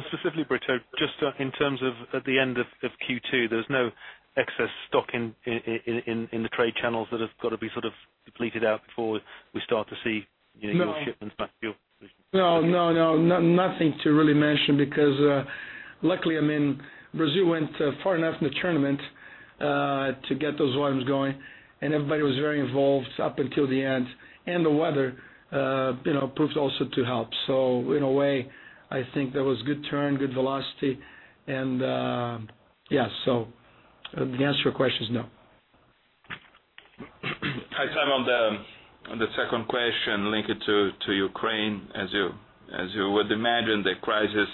Speaker 6: Specifically, Brito, just in terms of at the end of Q2, there's no excess stock in the trade channels that have got to be depleted out before we start to see your shipments back to your.
Speaker 2: No. Nothing to really mention because, luckily, Brazil went far enough in the tournament to get those volumes going, and everybody was very involved up until the end. The weather proved also to help. In a way, I think that was good turn, good velocity. Yeah, the answer to your question is no.
Speaker 3: Hi, Simon. On the second question linked to Ukraine, as you would imagine, the crisis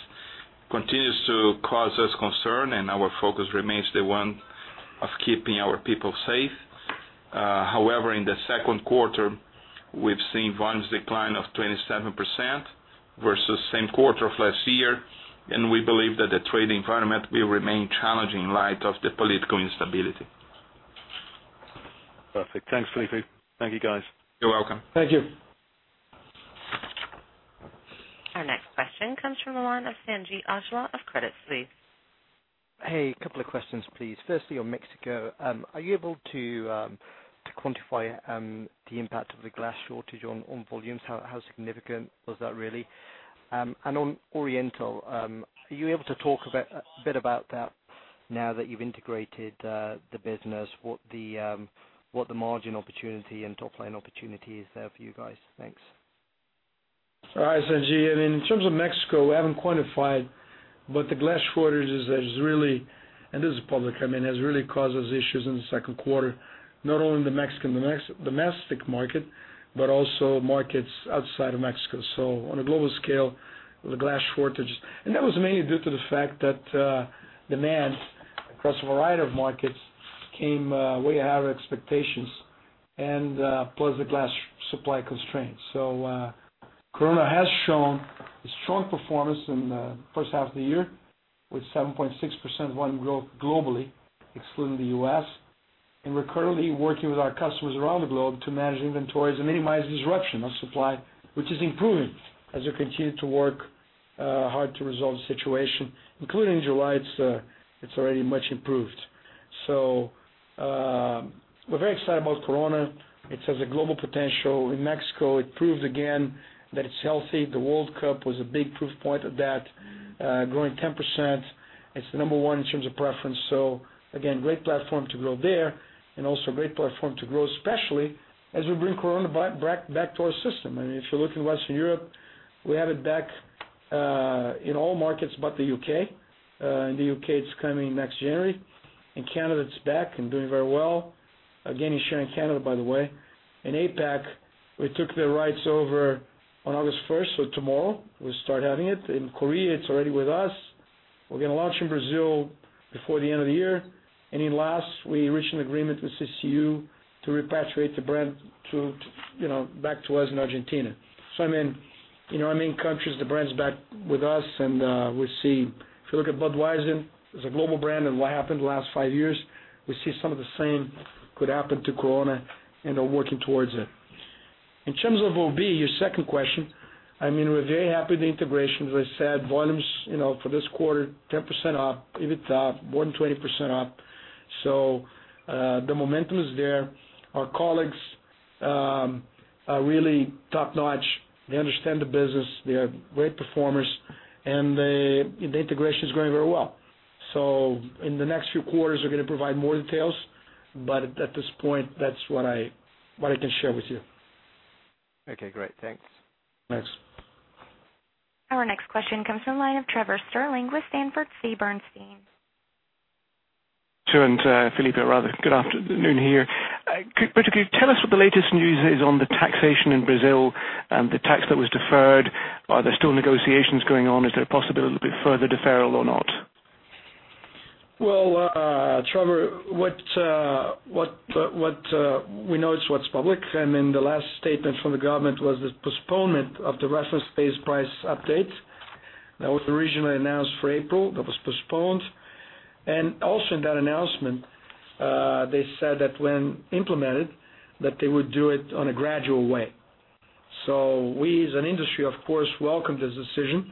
Speaker 3: continues to cause us concern, and our focus remains the one of keeping our people safe. However, in the second quarter, we've seen volumes decline of 27% versus same quarter of last year, and we believe that the trade environment will remain challenging in light of the political instability.
Speaker 6: Perfect. Thanks, Felipe. Thank you, guys.
Speaker 3: You're welcome.
Speaker 2: Thank you.
Speaker 1: Our next question comes from the line of Sanjeet Aujla of Credit Suisse.
Speaker 7: Couple of questions, please. Firstly, on Mexico, are you able to quantify the impact of the glass shortage on volumes? How significant was that, really? On Oriental, are you able to talk a bit about that now that you've integrated the business? What the margin opportunity and top-line opportunity is there for you guys? Thanks.
Speaker 2: All right, Sanjeet. In terms of Mexico, we haven't quantified, but the glass shortage has really, and this is public, caused us issues in the second quarter, not only in the Mexican domestic market, but also markets outside of Mexico. On a global scale, the glass shortage. That was mainly due to the fact that demand across a variety of markets came way higher expectations and plus the glass supply constraints. Corona has shown a strong performance in the first half of the year, with 7.6% volume growth globally, excluding the U.S. We're currently working with our customers around the globe to manage inventories and minimize disruption of supply, which is improving as we continue to work hard to resolve the situation. Including July, it's already much improved. We're very excited about Corona. It has a global potential. In Mexico, it proved again that it's healthy. The World Cup was a big proof point of that, growing 10%. It's the number one in terms of preference. Again, great platform to grow there and also great platform to grow, especially as we bring Corona back to our system. If you look in Western Europe, we have it back in all markets but the U.K. In the U.K., it's coming next January. In Canada, it's back and doing very well. Again, in Canada, by the way. In APAC, we took the rights over on August 1st, so tomorrow we start having it. In Korea, it's already with us. We're going to launch in Brazil before the end of the year. In last, we reached an agreement with CCU to repatriate the brand back to us in Argentina. In our main countries, the brand's back with us, and we see if you look at Budweiser, as a global brand, and what happened the last five years, some of the same could happen to Corona, and are working towards it. In terms of OB, your second question, we're very happy with the integration. As I said, volumes, for this quarter, 10% up, EBITDA more than 20% up. The momentum is there. Our colleagues are really top-notch. They understand the business. They are great performers, and the integration is going very well. In the next few quarters, we're going to provide more details, but at this point, that's what I can share with you.
Speaker 7: Okay, great. Thanks.
Speaker 2: Thanks.
Speaker 1: Our next question comes from the line of Trevor Stirling with Sanford C. Bernstein.
Speaker 8: To entire, Felipe, rather, good afternoon here. Brito, could you tell us what the latest news is on the taxation in Brazil and the tax that was deferred? Are there still negotiations going on? Is there a possibility of a bit further deferral or not?
Speaker 2: Trevor, what we know is what's public, the last statement from the government was the postponement of the reference-based price update. That was originally announced for April, that was postponed. Also, in that announcement, they said that when implemented, they would do it on a gradual way. We, as an industry, of course, welcomed this decision,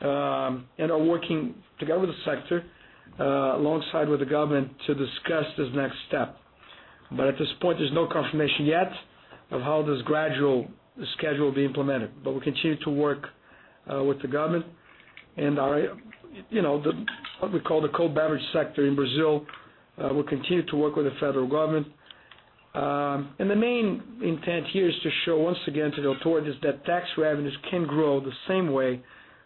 Speaker 2: and are working together with the sector, alongside with the government, to discuss this next step. At this point, there's no confirmation yet of how this gradual schedule will be implemented. We continue to work with the government and what we call the cold beverage sector in Brazil. We'll continue to work with the federal government. The main intent here is to show, once again, to the authorities, that tax revenues can grow the same way,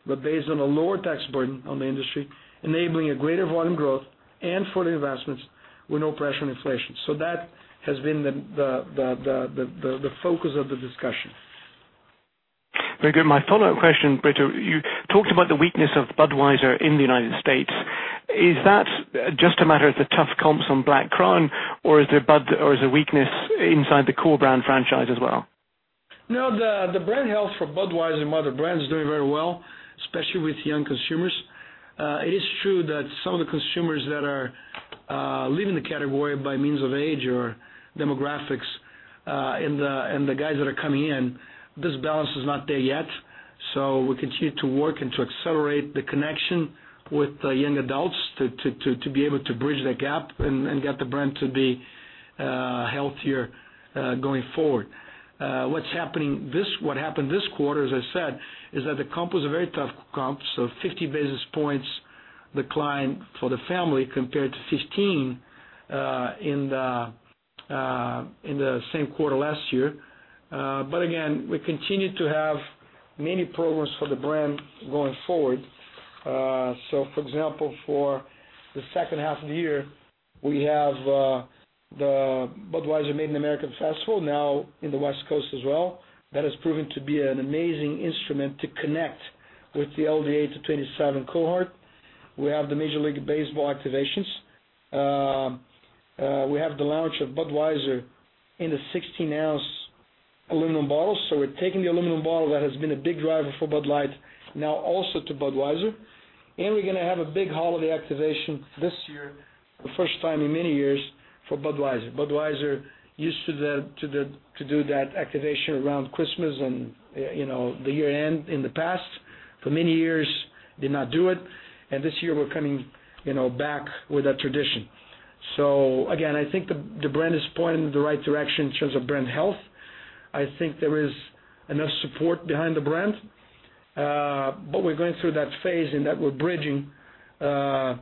Speaker 2: but based on a lower tax burden on the industry, enabling a greater volume growth and further investments with no pressure on inflation. That has been the focus of the discussion.
Speaker 8: Very good. My follow-up question, Brito, you talked about the weakness of Budweiser in the United States. Is that just a matter of the tough comps on Black Crown, or is there a weakness inside the core brand franchise as well?
Speaker 2: The brand health for Budweiser and other brands is doing very well, especially with young consumers. It is true that some of the consumers that are leaving the category by means of age or demographics, and the guys that are coming in, this balance is not there yet. We continue to work and to accelerate the connection with young adults to be able to bridge that gap and get the brand to be healthier going forward. What happened this quarter, as I said, is that the comp was a very tough comp, 50 basis points decline for the family compared to 15 in the same quarter last year. Again, we continue to have many programs for the brand going forward. For example, for the second half of the year, we have the Budweiser Made in America festival now in the West Coast as well. That has proven to be an amazing instrument to connect with the 18 to 27 cohort. We have the Major League Baseball activations. We have the launch of Budweiser in the 16-ounce aluminum bottle. We're taking the aluminum bottle that has been a big driver for Bud Light now also to Budweiser. We're going to have a big holiday activation this year, for the first time in many years, for Budweiser. Budweiser used to do that activation around Christmas and the year-end in the past. For many years, did not do it. This year, we're coming back with that tradition. Again, I think the brand is pointing in the right direction in terms of brand health. I think there is enough support behind the brand. We're going through that phase in that we're bridging a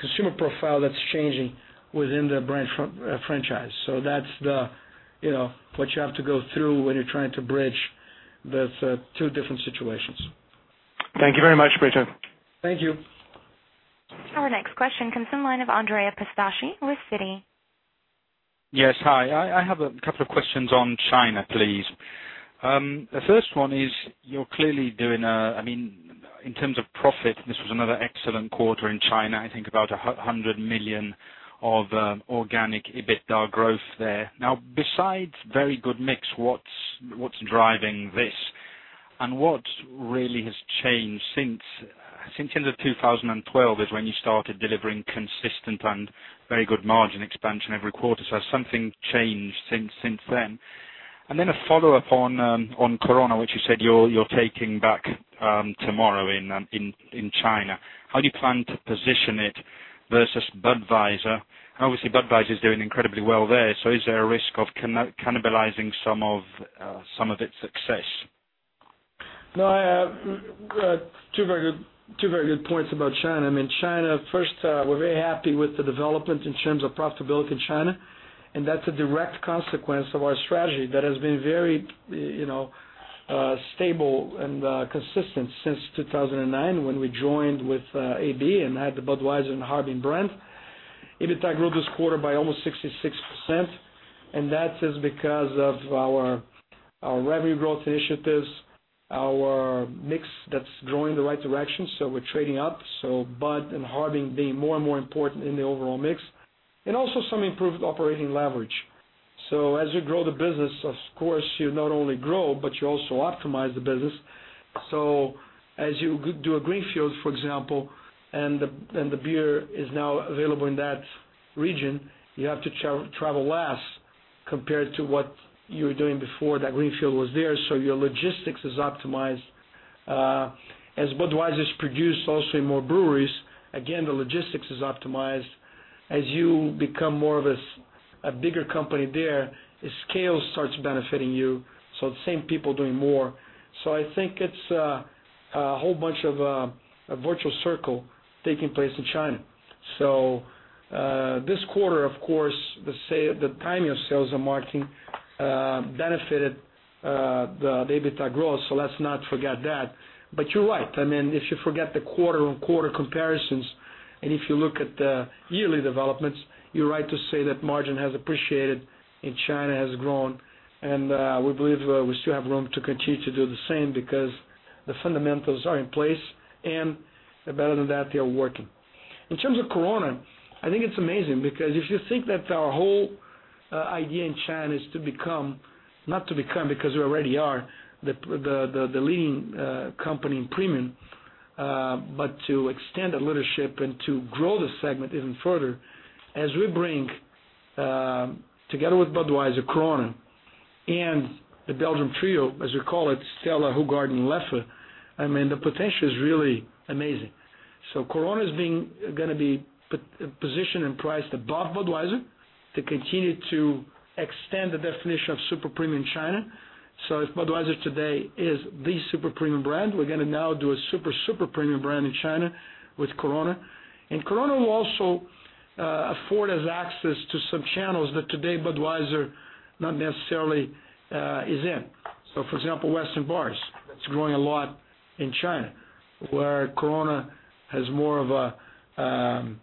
Speaker 2: consumer profile that's changing within the brand franchise. That's what you have to go through when you're trying to bridge those two different situations.
Speaker 8: Thank you very much, Brito.
Speaker 2: Thank you.
Speaker 1: Our next question comes from the line of Andrea Pistacchi with Citi.
Speaker 9: Yes. Hi. I have a couple of questions on China, please. The first one is, in terms of profit, this was another excellent quarter in China. I think about $100 million of organic EBITDA growth there. Besides very good mix, what's driving this? What really has changed since end of 2012, is when you started delivering consistent and very good margin expansion every quarter. Has something changed since then? A follow-up on Corona, which you said you're taking back tomorrow in China. How do you plan to position it versus Budweiser? Obviously, Budweiser is doing incredibly well there. Is there a risk of cannibalizing some of its success?
Speaker 2: No, two very good points about China. China, first, we're very happy with the development in terms of profitability in China, that's a direct consequence of our strategy that has been very stable and consistent since 2009, when we joined with AB and had the Budweiser and Harbin brand. EBITDA grew this quarter by almost 66%, that is because of our revenue growth initiatives, our mix that's growing in the right direction. We're trading up. Bud and Harbin being more and more important in the overall mix, also some improved operating leverage. As you grow the business, of course, you not only grow, but you also optimize the business. As you do a greenfield, for example, the beer is now available in that region, you have to travel less compared to what you were doing before that greenfield was there. Your logistics is optimized. As Budweiser is produced also in more breweries, again, the logistics is optimized. As you become more of a bigger company there, the scale starts benefiting you. The same people doing more. I think it's a whole bunch of a virtual circle taking place in China. This quarter, of course, the timing of sales and marketing benefited the EBITDA growth. Let's not forget that. You're right. If you forget the quarter-on-quarter comparisons, if you look at the yearly developments, you're right to say that margin has appreciated China has grown. We believe we still have room to continue to do the same because the fundamentals are in place, better than that, they are working. In terms of Corona, I think it's amazing because if you think that our idea in China is not to become, because we already are, the leading company in premium, but to extend that leadership to grow the segment even further as we bring, together with Budweiser, Corona, the Belgium trio, as we call it, Stella, Hoegaarden, Leffe. The potential is really amazing. Corona is going to be positioned and priced above Budweiser to continue to extend the definition of super premium China. If Budweiser today is the super premium brand, we're going to now do a super premium brand in China with Corona. Corona will also afford us access to some channels that today Budweiser not necessarily is in. For example, western bars, that's growing a lot in China, where Corona has more of a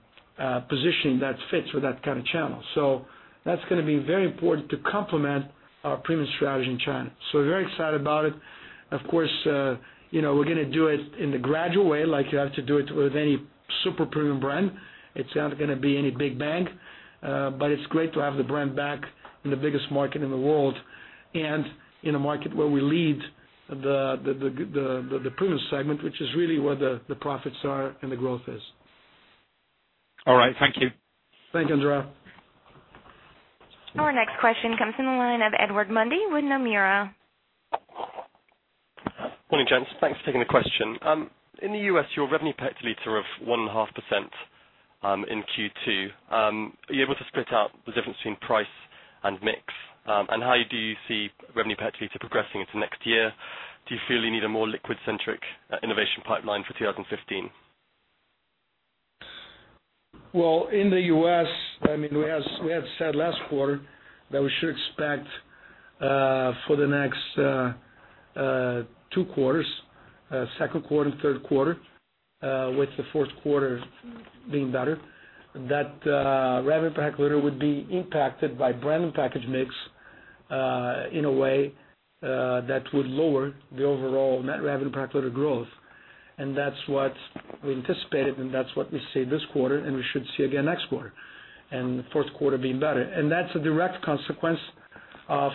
Speaker 2: position that fits with that kind of channel. That's going to be very important to complement our premium strategy in China. We're very excited about it. Of course, we're going to do it in the gradual way like you have to do it with any super premium brand. It's not going to be any big bang. It's great to have the brand back in the biggest market in the world and in a market where we lead the premium segment, which is really where the profits are and the growth is.
Speaker 9: All right. Thank you.
Speaker 2: Thank you, Andrea.
Speaker 1: Our next question comes from the line of Edward Mundy with Nomura.
Speaker 10: Morning, gents. Thanks for taking the question. In the U.S., your revenue per liter of 1.5% in Q2. Are you able to split out the difference between price and mix? How do you see revenue per liter progressing into next year? Do you feel you need a more liquid-centric innovation pipeline for 2015?
Speaker 2: Well, in the U.S., we had said last quarter that we should expect for the next two quarters, second quarter, third quarter, with the fourth quarter being better, that revenue per liter would be impacted by brand and package mix in a way that would lower the overall net revenue per liter growth. That's what we anticipated, that's what we see this quarter, and we should see again next quarter, and the fourth quarter being better. That's a direct consequence of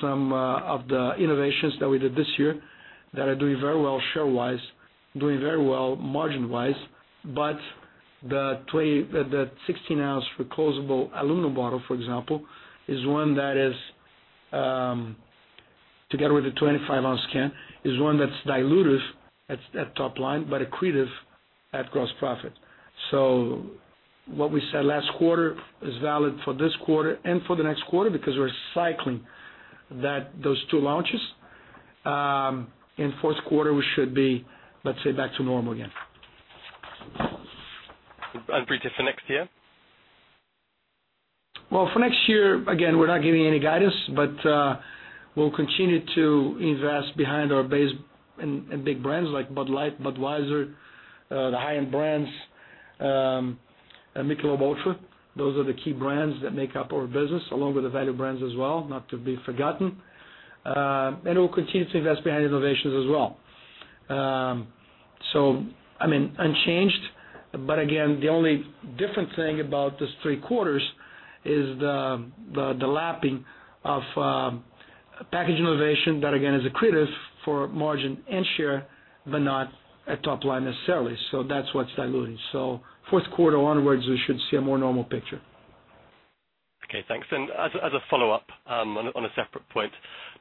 Speaker 2: some of the innovations that we did this year that are doing very well share-wise, doing very well margin-wise. The 16-ounce reclosable aluminum bottle, for example, together with the 25-ounce can, is one that's dilutive at top line, but accretive at gross profit. What we said last quarter is valid for this quarter and for the next quarter because we're cycling those two launches. In fourth quarter, we should be, let's say, back to normal again.
Speaker 10: For next year?
Speaker 2: Well, for next year, again, we're not giving any guidance, but we'll continue to invest behind our base and big brands like Bud Light, Budweiser, the high-end brands, and Michelob ULTRA. Those are the key brands that make up our business, along with the value brands as well, not to be forgotten. We'll continue to invest behind innovations as well. Unchanged, but again, the only different thing about these three quarters is the lapping of package innovation that, again, is accretive for margin and share, but not at top line necessarily. That's what's diluting. Fourth quarter onwards, we should see a more normal picture.
Speaker 10: Okay, thanks. As a follow-up, on a separate point.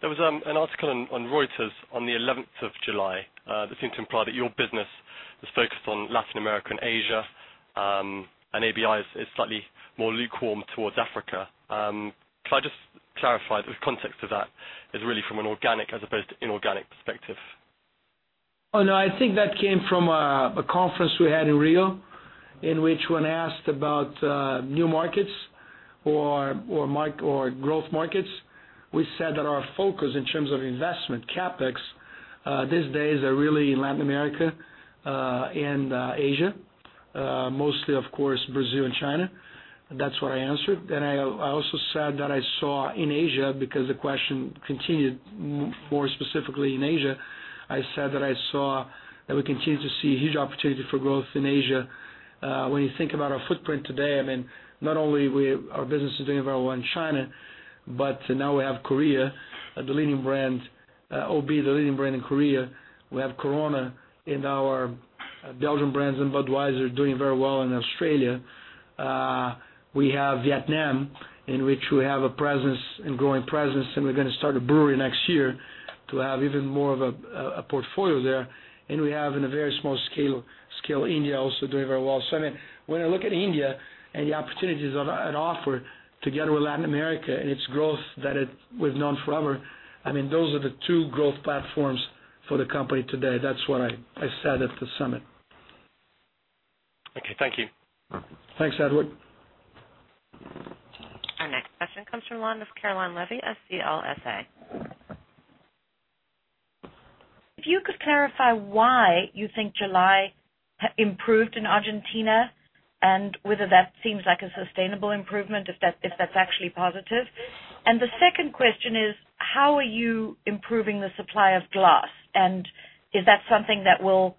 Speaker 10: There was an article on Reuters on the 11th of July that seemed to imply that your business is focused on Latin America and Asia, and ABI is slightly more lukewarm towards Africa. Can I just clarify, the context of that is really from an organic as opposed to inorganic perspective?
Speaker 2: Oh, no, I think that came from a conference we had in Rio, in which when asked about new markets or growth markets, we said that our focus in terms of investment CapEx these days are really in Latin America and Asia. Mostly, of course, Brazil and China. That's what I answered. I also said that I saw in Asia, because the question continued more specifically in Asia, I said that I saw that we continue to see huge opportunity for growth in Asia. When you think about our footprint today, not only our business is doing very well in China, but now we have Korea, OB, the leading brand in Korea. We have Corona and our Belgian brands and Budweiser doing very well in Australia. We have Vietnam, in which we have a growing presence, and we're going to start a brewery next year to have even more of a portfolio there. We have, in a very small scale, India also doing very well. When I look at India and the opportunities on offer together with Latin America and its growth that we've known forever, those are the two growth platforms for the company today. That's what I said at the summit.
Speaker 10: Okay. Thank you.
Speaker 2: Thanks, Edward.
Speaker 1: Our next question comes from the line of Caroline Levy, CLSA.
Speaker 11: If you could clarify why you think July improved in Argentina and whether that seems like a sustainable improvement, if that's actually positive. The second question is, how are you improving the supply of glass? Is that something that will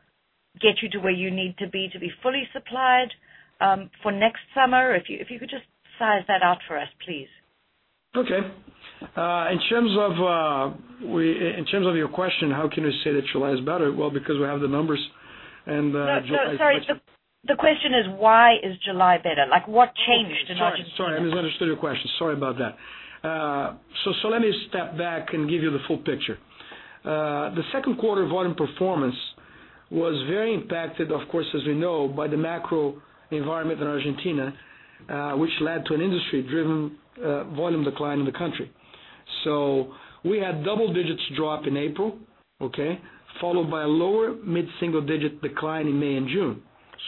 Speaker 11: get you to where you need to be to be fully supplied for next summer. If you could just size that out for us, please.
Speaker 2: Okay. In terms of your question, how can we say that July is better? Well, because we have the numbers.
Speaker 11: No, sorry. The question is why is July better? Like what changed in Argentina?
Speaker 2: Okay. Sorry, I misunderstood your question. Sorry about that. Let me step back and give you the full picture. The second quarter volume performance was very impacted, of course, as we know by the macro environment in Argentina, which led to an industry-driven volume decline in the country. We had double-digit drop in April, okay? Followed by a lower mid-single-digit decline in May and June.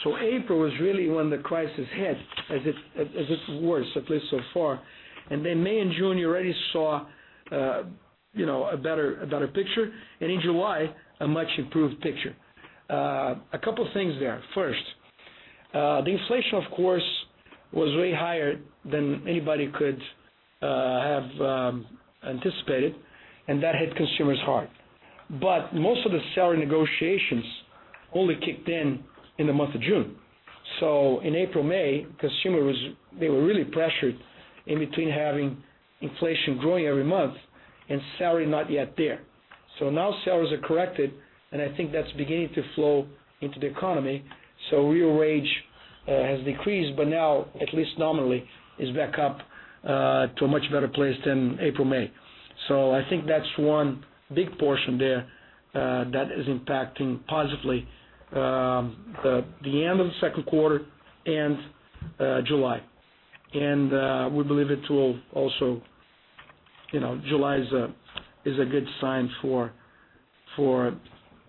Speaker 2: April was really when the crisis hit, at its worst, at least so far. May and June, you already saw a better picture, and in July, a much improved picture. A couple things there. First, the inflation of course, was way higher than anybody could have anticipated, and that hit consumers hard. Most of the salary negotiations only kicked in the month of June. In April, May, consumers, they were really pressured in between having inflation growing every month and salary not yet there. Now salaries are corrected, and I think that's beginning to flow into the economy, so real wage has decreased, but now at least nominally is back up to a much better place than April, May. I think that's one big portion there that is impacting positively the end of the second quarter and July. We believe July is a good sign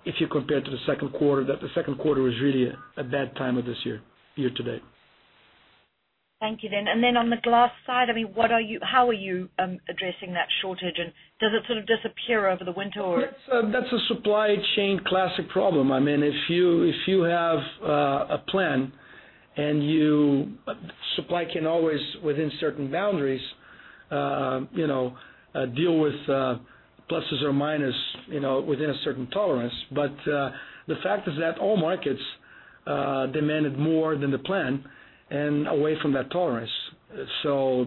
Speaker 2: if you compare it to the second quarter, that the second quarter was really a bad time of this year to date.
Speaker 11: Thank you then. On the glass side, how are you addressing that shortage, and does it sort of disappear over the winter or?
Speaker 2: That's a supply chain classic problem. If you have a plan and supply can always within certain boundaries deal with pluses or minus within a certain tolerance. The fact is that all markets demanded more than the plan and away from that tolerance. What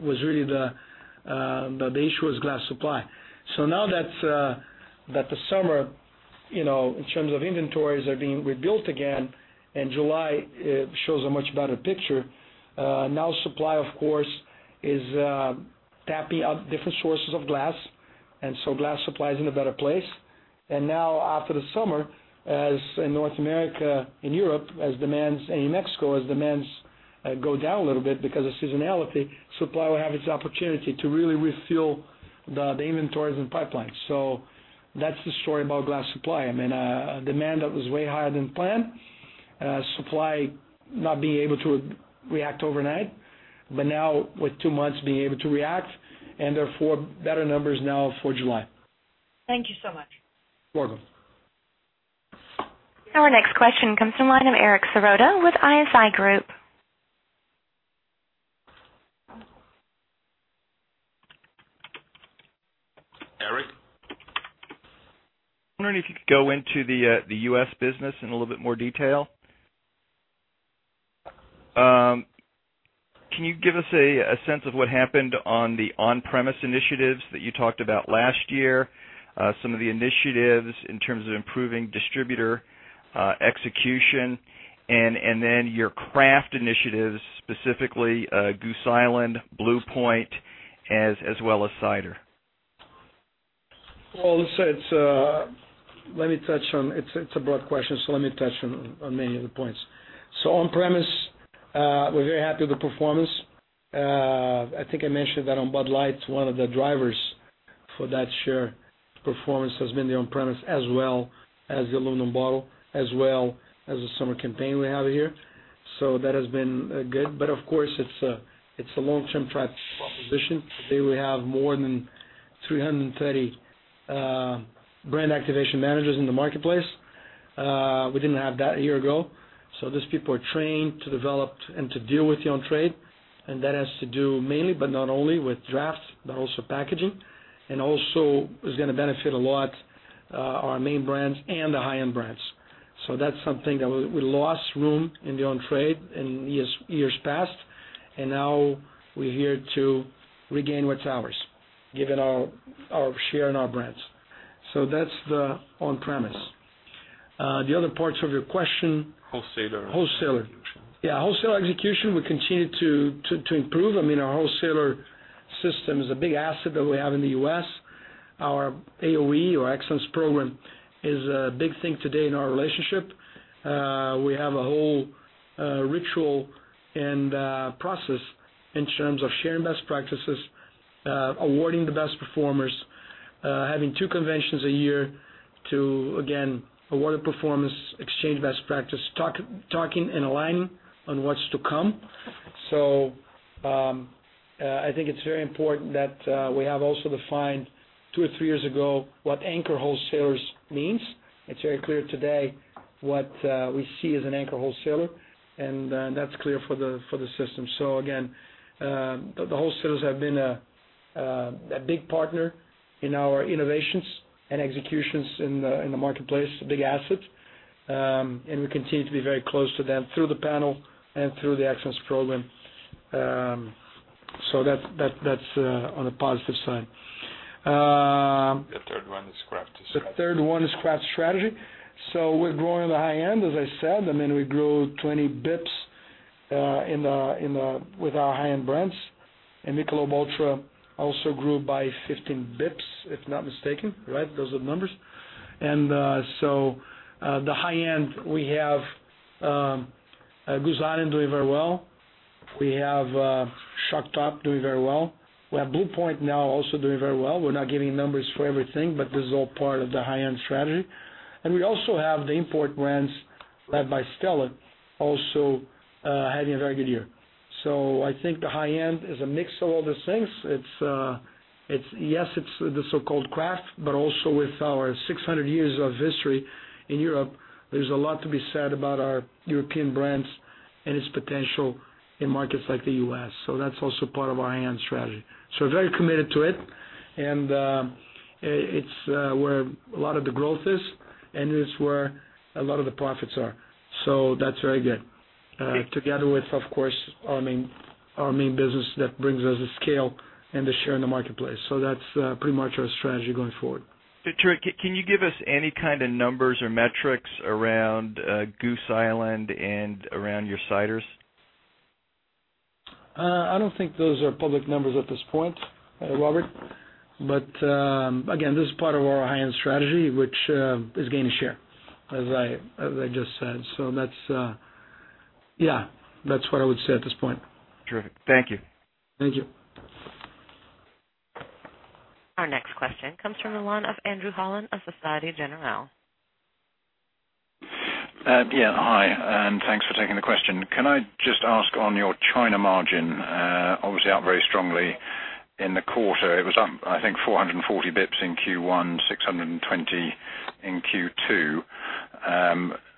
Speaker 2: was really the issue was glass supply. Now that the summer, in terms of inventories are being rebuilt again in July, it shows a much better picture. Now supply, of course, is tapping out different sources of glass, and so glass supply is in a better place. Now after the summer, as in North America and Europe and Mexico, as demands go down a little bit because of seasonality, supply will have its opportunity to really refill the inventories and pipelines. That's the story about glass supply. A demand that was way higher than planned, supply not being able to react overnight, but now with two months being able to react and therefore better numbers now for July.
Speaker 11: Thank you so much.
Speaker 2: Welcome.
Speaker 1: Our next question comes from the line of Erik Sirota with ISI Group.
Speaker 2: Erik?
Speaker 12: I'm wondering if you could go into the U.S. business in a little bit more detail. Can you give us a sense of what happened on the on-premise initiatives that you talked about last year? Some of the initiatives in terms of improving distributor execution, your craft initiatives, specifically Goose Island, Blue Point, as well as cider.
Speaker 2: It's a broad question, let me touch on many of the points. On-premise, we're very happy with the performance. I think I mentioned that on Bud Light, one of the drivers for that share performance has been the on-premise as well as the aluminum bottle, as well as the summer campaign we have here. That has been good. Of course, it's a long-term proposition. Today we have more than 330 brand activation managers in the marketplace. We didn't have that a year ago. Those people are trained to develop and to deal with the on-trade, and that has to do mainly, but not only with drafts, but also packaging, and also is going to benefit a lot our main brands and the high-end brands. That's something that we lost room in the on-trade in years past, now we're here to regain what's ours, given our share and our brands. That's the on-premise. The other parts of your question.
Speaker 3: Wholesaler execution wholesaler. Yeah, wholesaler execution, we continue to improve. Our wholesaler system is a big asset that we have in the U.S. Our AOE or Excellence Program is a big thing today in our relationship. We have a whole ritual and process in terms of sharing best practices, awarding the best performers, having two conventions a year to, again, award a performance, exchange best practice, talking and aligning on what's to come. I think it's very important that we have also defined two or three years ago what anchor wholesalers means. It's very clear today what we see as an anchor wholesaler, and that's clear for the system. Again, the wholesalers have been a big partner in our innovations and executions in the marketplace, a big asset. And we continue to be very close to them through the panel and through the Excellence Program.
Speaker 2: That's on the positive side.
Speaker 3: The third one is craft strategy.
Speaker 2: The third one is craft strategy. We're growing in the high end, as I said. We grew 20 basis points with our high-end brands, and Michelob ULTRA also grew by 15 basis points, if I'm not mistaken. Right. Those are the numbers. The high end, we have Goose Island doing very well. We have Shock Top doing very well. We have Blue Point now also doing very well. We're not giving numbers for everything, but this is all part of the high-end strategy. We also have the import brands, led by Stella, also having a very good year. I think the high end is a mix of all these things. Yes, it's the so-called craft, but also with our 600 years of history in Europe, there's a lot to be said about our European brands and its potential in markets like the U.S. That's also part of our high-end strategy. We're very committed to it, and it's where a lot of the growth is, and it's where a lot of the profits are. That's very good. Together with, of course, our main business that brings us the scale and the share in the marketplace. That's pretty much our strategy going forward.
Speaker 12: Patrick, can you give us any kind of numbers or metrics around Goose Island and around your ciders?
Speaker 2: I don't think those are public numbers at this point, Robert. Again, this is part of our high-end strategy, which is gaining share, as I just said. That's what I would say at this point.
Speaker 12: Terrific. Thank you.
Speaker 2: Thank you.
Speaker 1: Our next question comes from the line of Andrew Holland of Societe Generale.
Speaker 13: Yeah. Thanks for taking the question. Can I just ask on your China margin, obviously up very strongly in the quarter. It was up, I think 440 basis points in Q1, 620 in Q2.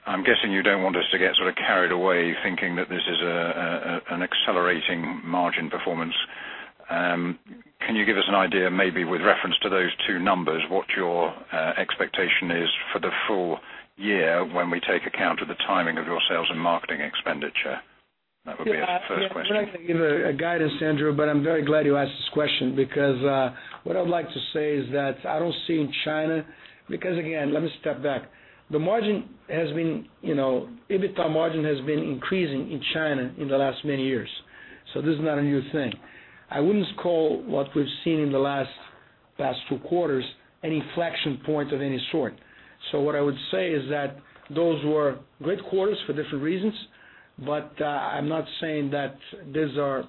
Speaker 13: I'm guessing you don't want us to get sort of carried away thinking that this is an accelerating margin performance. Can you give us an idea, maybe with reference to those two numbers, what your expectation is for the full year when we take account of the timing of your sales and marketing expenditure? That would be my first question.
Speaker 2: We're not going to give a guidance, Andrew, I'm very glad you asked this question because what I'd like to say is that I don't see in China. Again, let me step back. The EBITDA margin has been increasing in China in the last many years. This is not a new thing. I wouldn't call what we've seen in the last two quarters any inflection point of any sort. What I would say is that those were great quarters for different reasons, I'm not saying that these are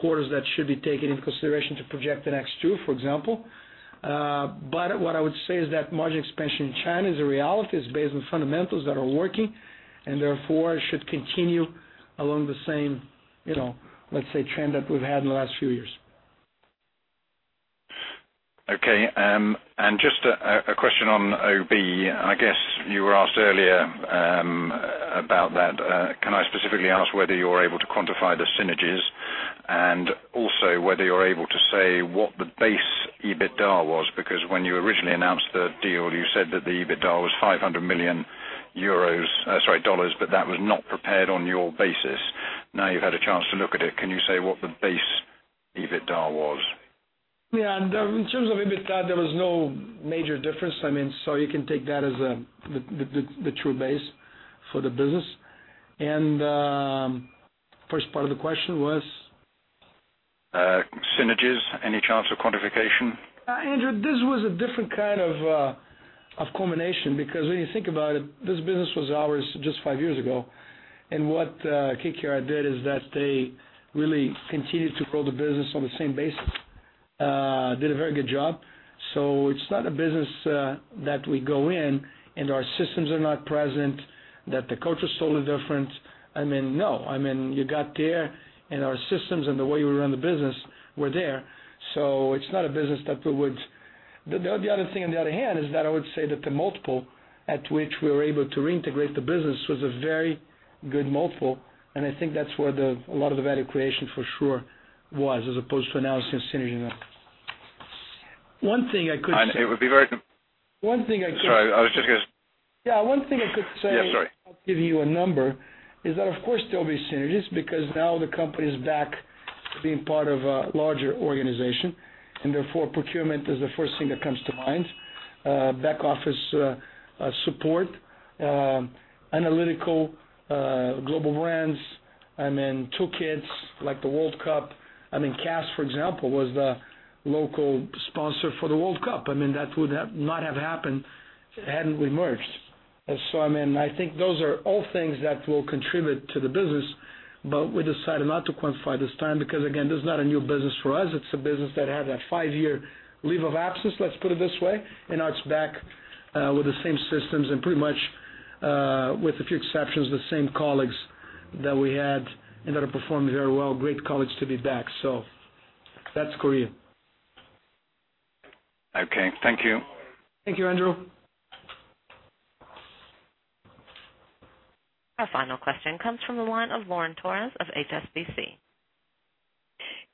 Speaker 2: quarters that should be taken into consideration to project the next two, for example. What I would say is that margin expansion in China is a reality. It's based on fundamentals that are working, and therefore, it should continue along the same trend that we've had in the last few years.
Speaker 13: Just a question on OB. I guess you were asked earlier about that. Can I specifically ask whether you're able to quantify the synergies, also whether you're able to say what the base EBITDA was? When you originally announced the deal, you said that the EBITDA was $500 million, that was not prepared on your basis. Now you've had a chance to look at it. Can you say what the base EBITDA was?
Speaker 2: In terms of EBITDA, there was no major difference. You can take that as the true base for the business. First part of the question was?
Speaker 13: Synergies. Any chance of quantification?
Speaker 2: Andrew, this was a different kind of culmination because when you think about it, this business was ours just five years ago. What KKR did is that they really continued to grow the business on the same basis. Did a very good job. It's not a business that we go in and our systems are not present, that the culture is totally different. No. You got there, and our systems and the way we run the business were there. The other thing, on the other hand, is that I would say that the multiple at which we were able to reintegrate the business was a very good multiple, and I think that's where a lot of the value creation for sure was, as opposed to announcing synergies now.
Speaker 13: It would be very-
Speaker 2: One thing I could-
Speaker 13: Sorry.
Speaker 2: Yeah, one thing I could say.
Speaker 13: Yeah, sorry.
Speaker 2: I'll give you a number, is that of course there'll be synergies because now the company's back to being part of a larger organization. Therefore, procurement is the first thing that comes to mind. Back office support, analytical global brands. Toolkits, like the World Cup. I mean, Cass, for example, was the local sponsor for the World Cup. That would not have happened had we merged. I think those are all things that will contribute to the business. We decided not to quantify this time because again, this is not a new business for us. It's a business that had a five-year leave of absence, let's put it this way. Now it's back with the same systems and pretty much, with a few exceptions, the same colleagues that we had and that are performing very well. Great colleagues to be back. That's Korea.
Speaker 13: Okay. Thank you.
Speaker 2: Thank you, Andrew.
Speaker 1: Our final question comes from the line of Lauren Torres of HSBC.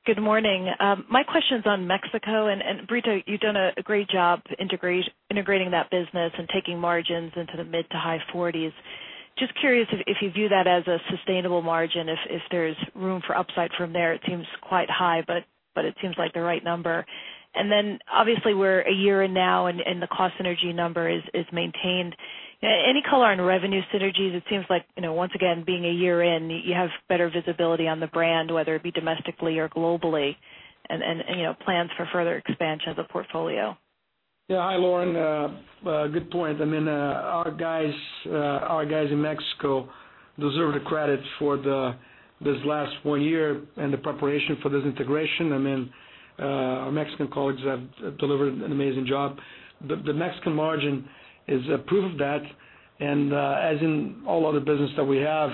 Speaker 14: Good morning. My question's on Mexico. Brito, you've done a great job integrating that business and taking margins into the mid to high 40s. Just curious if you view that as a sustainable margin, if there's room for upside from there. It seems quite high, but it seems like the right number. Then obviously we're a year in now. The cost synergy number is maintained. Any color on revenue synergies? It seems like, once again, being a year in, you have better visibility on the brand, whether it be domestically or globally, and plans for further expansion of the portfolio.
Speaker 2: Yeah. Hi, Lauren. Good point. Our guys in Mexico deserve the credit for this last one year and the preparation for this integration. Our Mexican colleagues have delivered an amazing job. The Mexican margin is a proof of that. As in all other business that we have,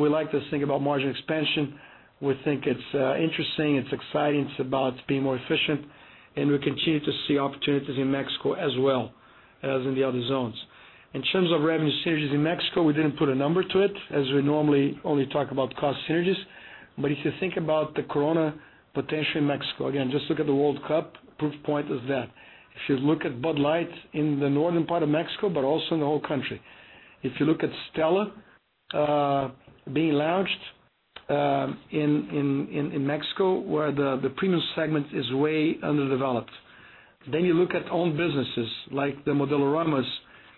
Speaker 2: we like to think about margin expansion. We think it's interesting, it's exciting, it's about being more efficient. We continue to see opportunities in Mexico as well as in the other zones. In terms of revenue synergies in Mexico, we didn't put a number to it, as we normally only talk about cost synergies. If you think about the Corona potential in Mexico, again, just look at the World Cup. Proof point is that. If you look at Bud Light in the northern part of Mexico, but also in the whole country. If you look at Stella Artois being launched in Mexico, where the premium segment is way underdeveloped. You look at owned businesses like the Modeloramas,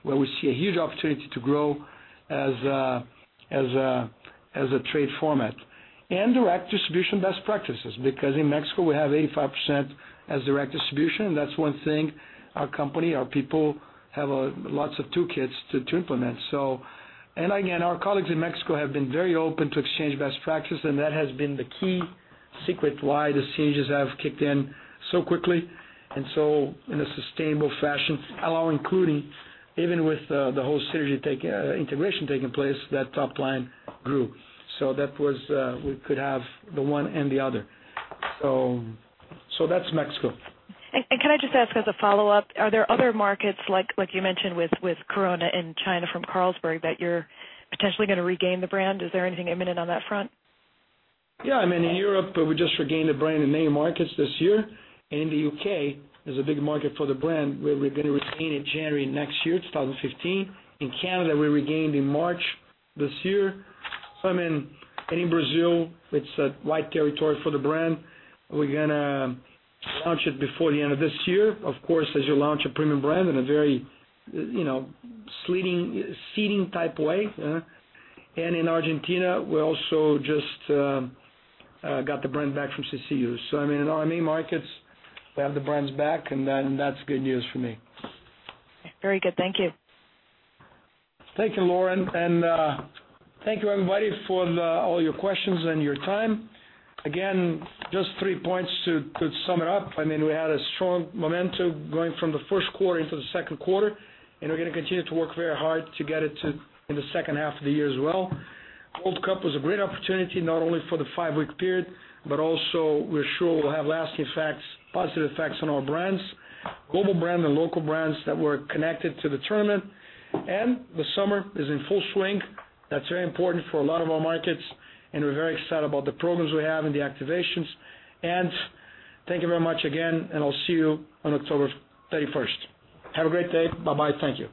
Speaker 2: where we see a huge opportunity to grow as a trade format. Direct distribution best practices, because in Mexico, we have 85% as direct distribution, and that's one thing our company, our people, have lots of toolkits to implement. Again, our colleagues in Mexico have been very open to exchange best practices, and that has been the key secret why the synergies have kicked in so quickly and so in a sustainable fashion, including even with the whole synergy integration taking place, that top line grew. That was, we could have the one and the other. That's Mexico.
Speaker 14: Can I just ask as a follow-up, are there other markets like you mentioned with Corona in China from Carlsberg, that you're potentially going to regain the brand? Is there anything imminent on that front?
Speaker 2: Yeah. In Europe, we just regained the brand in many markets this year. In the U.K., there's a big market for the brand, where we're going to retain it January next year, 2015. In Canada, we regained in March this year. In Brazil, it's a white territory for the brand. We're going to launch it before the end of this year. Of course, as you launch a premium brand in a very seeding-type way. In Argentina, we also just got the brand back from CCU. In our main markets, we have the brands back, and then that's good news for me.
Speaker 14: Very good. Thank you.
Speaker 2: Thank you, Lauren. Thank you, everybody, for all your questions and your time. Again, just three points to sum it up. We had a strong momentum going from the first quarter into the second quarter, and we're going to continue to work very hard to get it to in the second half of the year as well. World Cup was a great opportunity, not only for the five-week period, but also we're sure we'll have lasting effects, positive effects on our brands, global brand and local brands that were connected to the tournament. The summer is in full swing. That's very important for a lot of our markets, and we're very excited about the programs we have and the activations. Thank you very much again, and I'll see you on October 31st. Have a great day. Bye-bye. Thank you.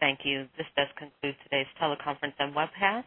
Speaker 1: Thank you. This does conclude today's teleconference and webcast.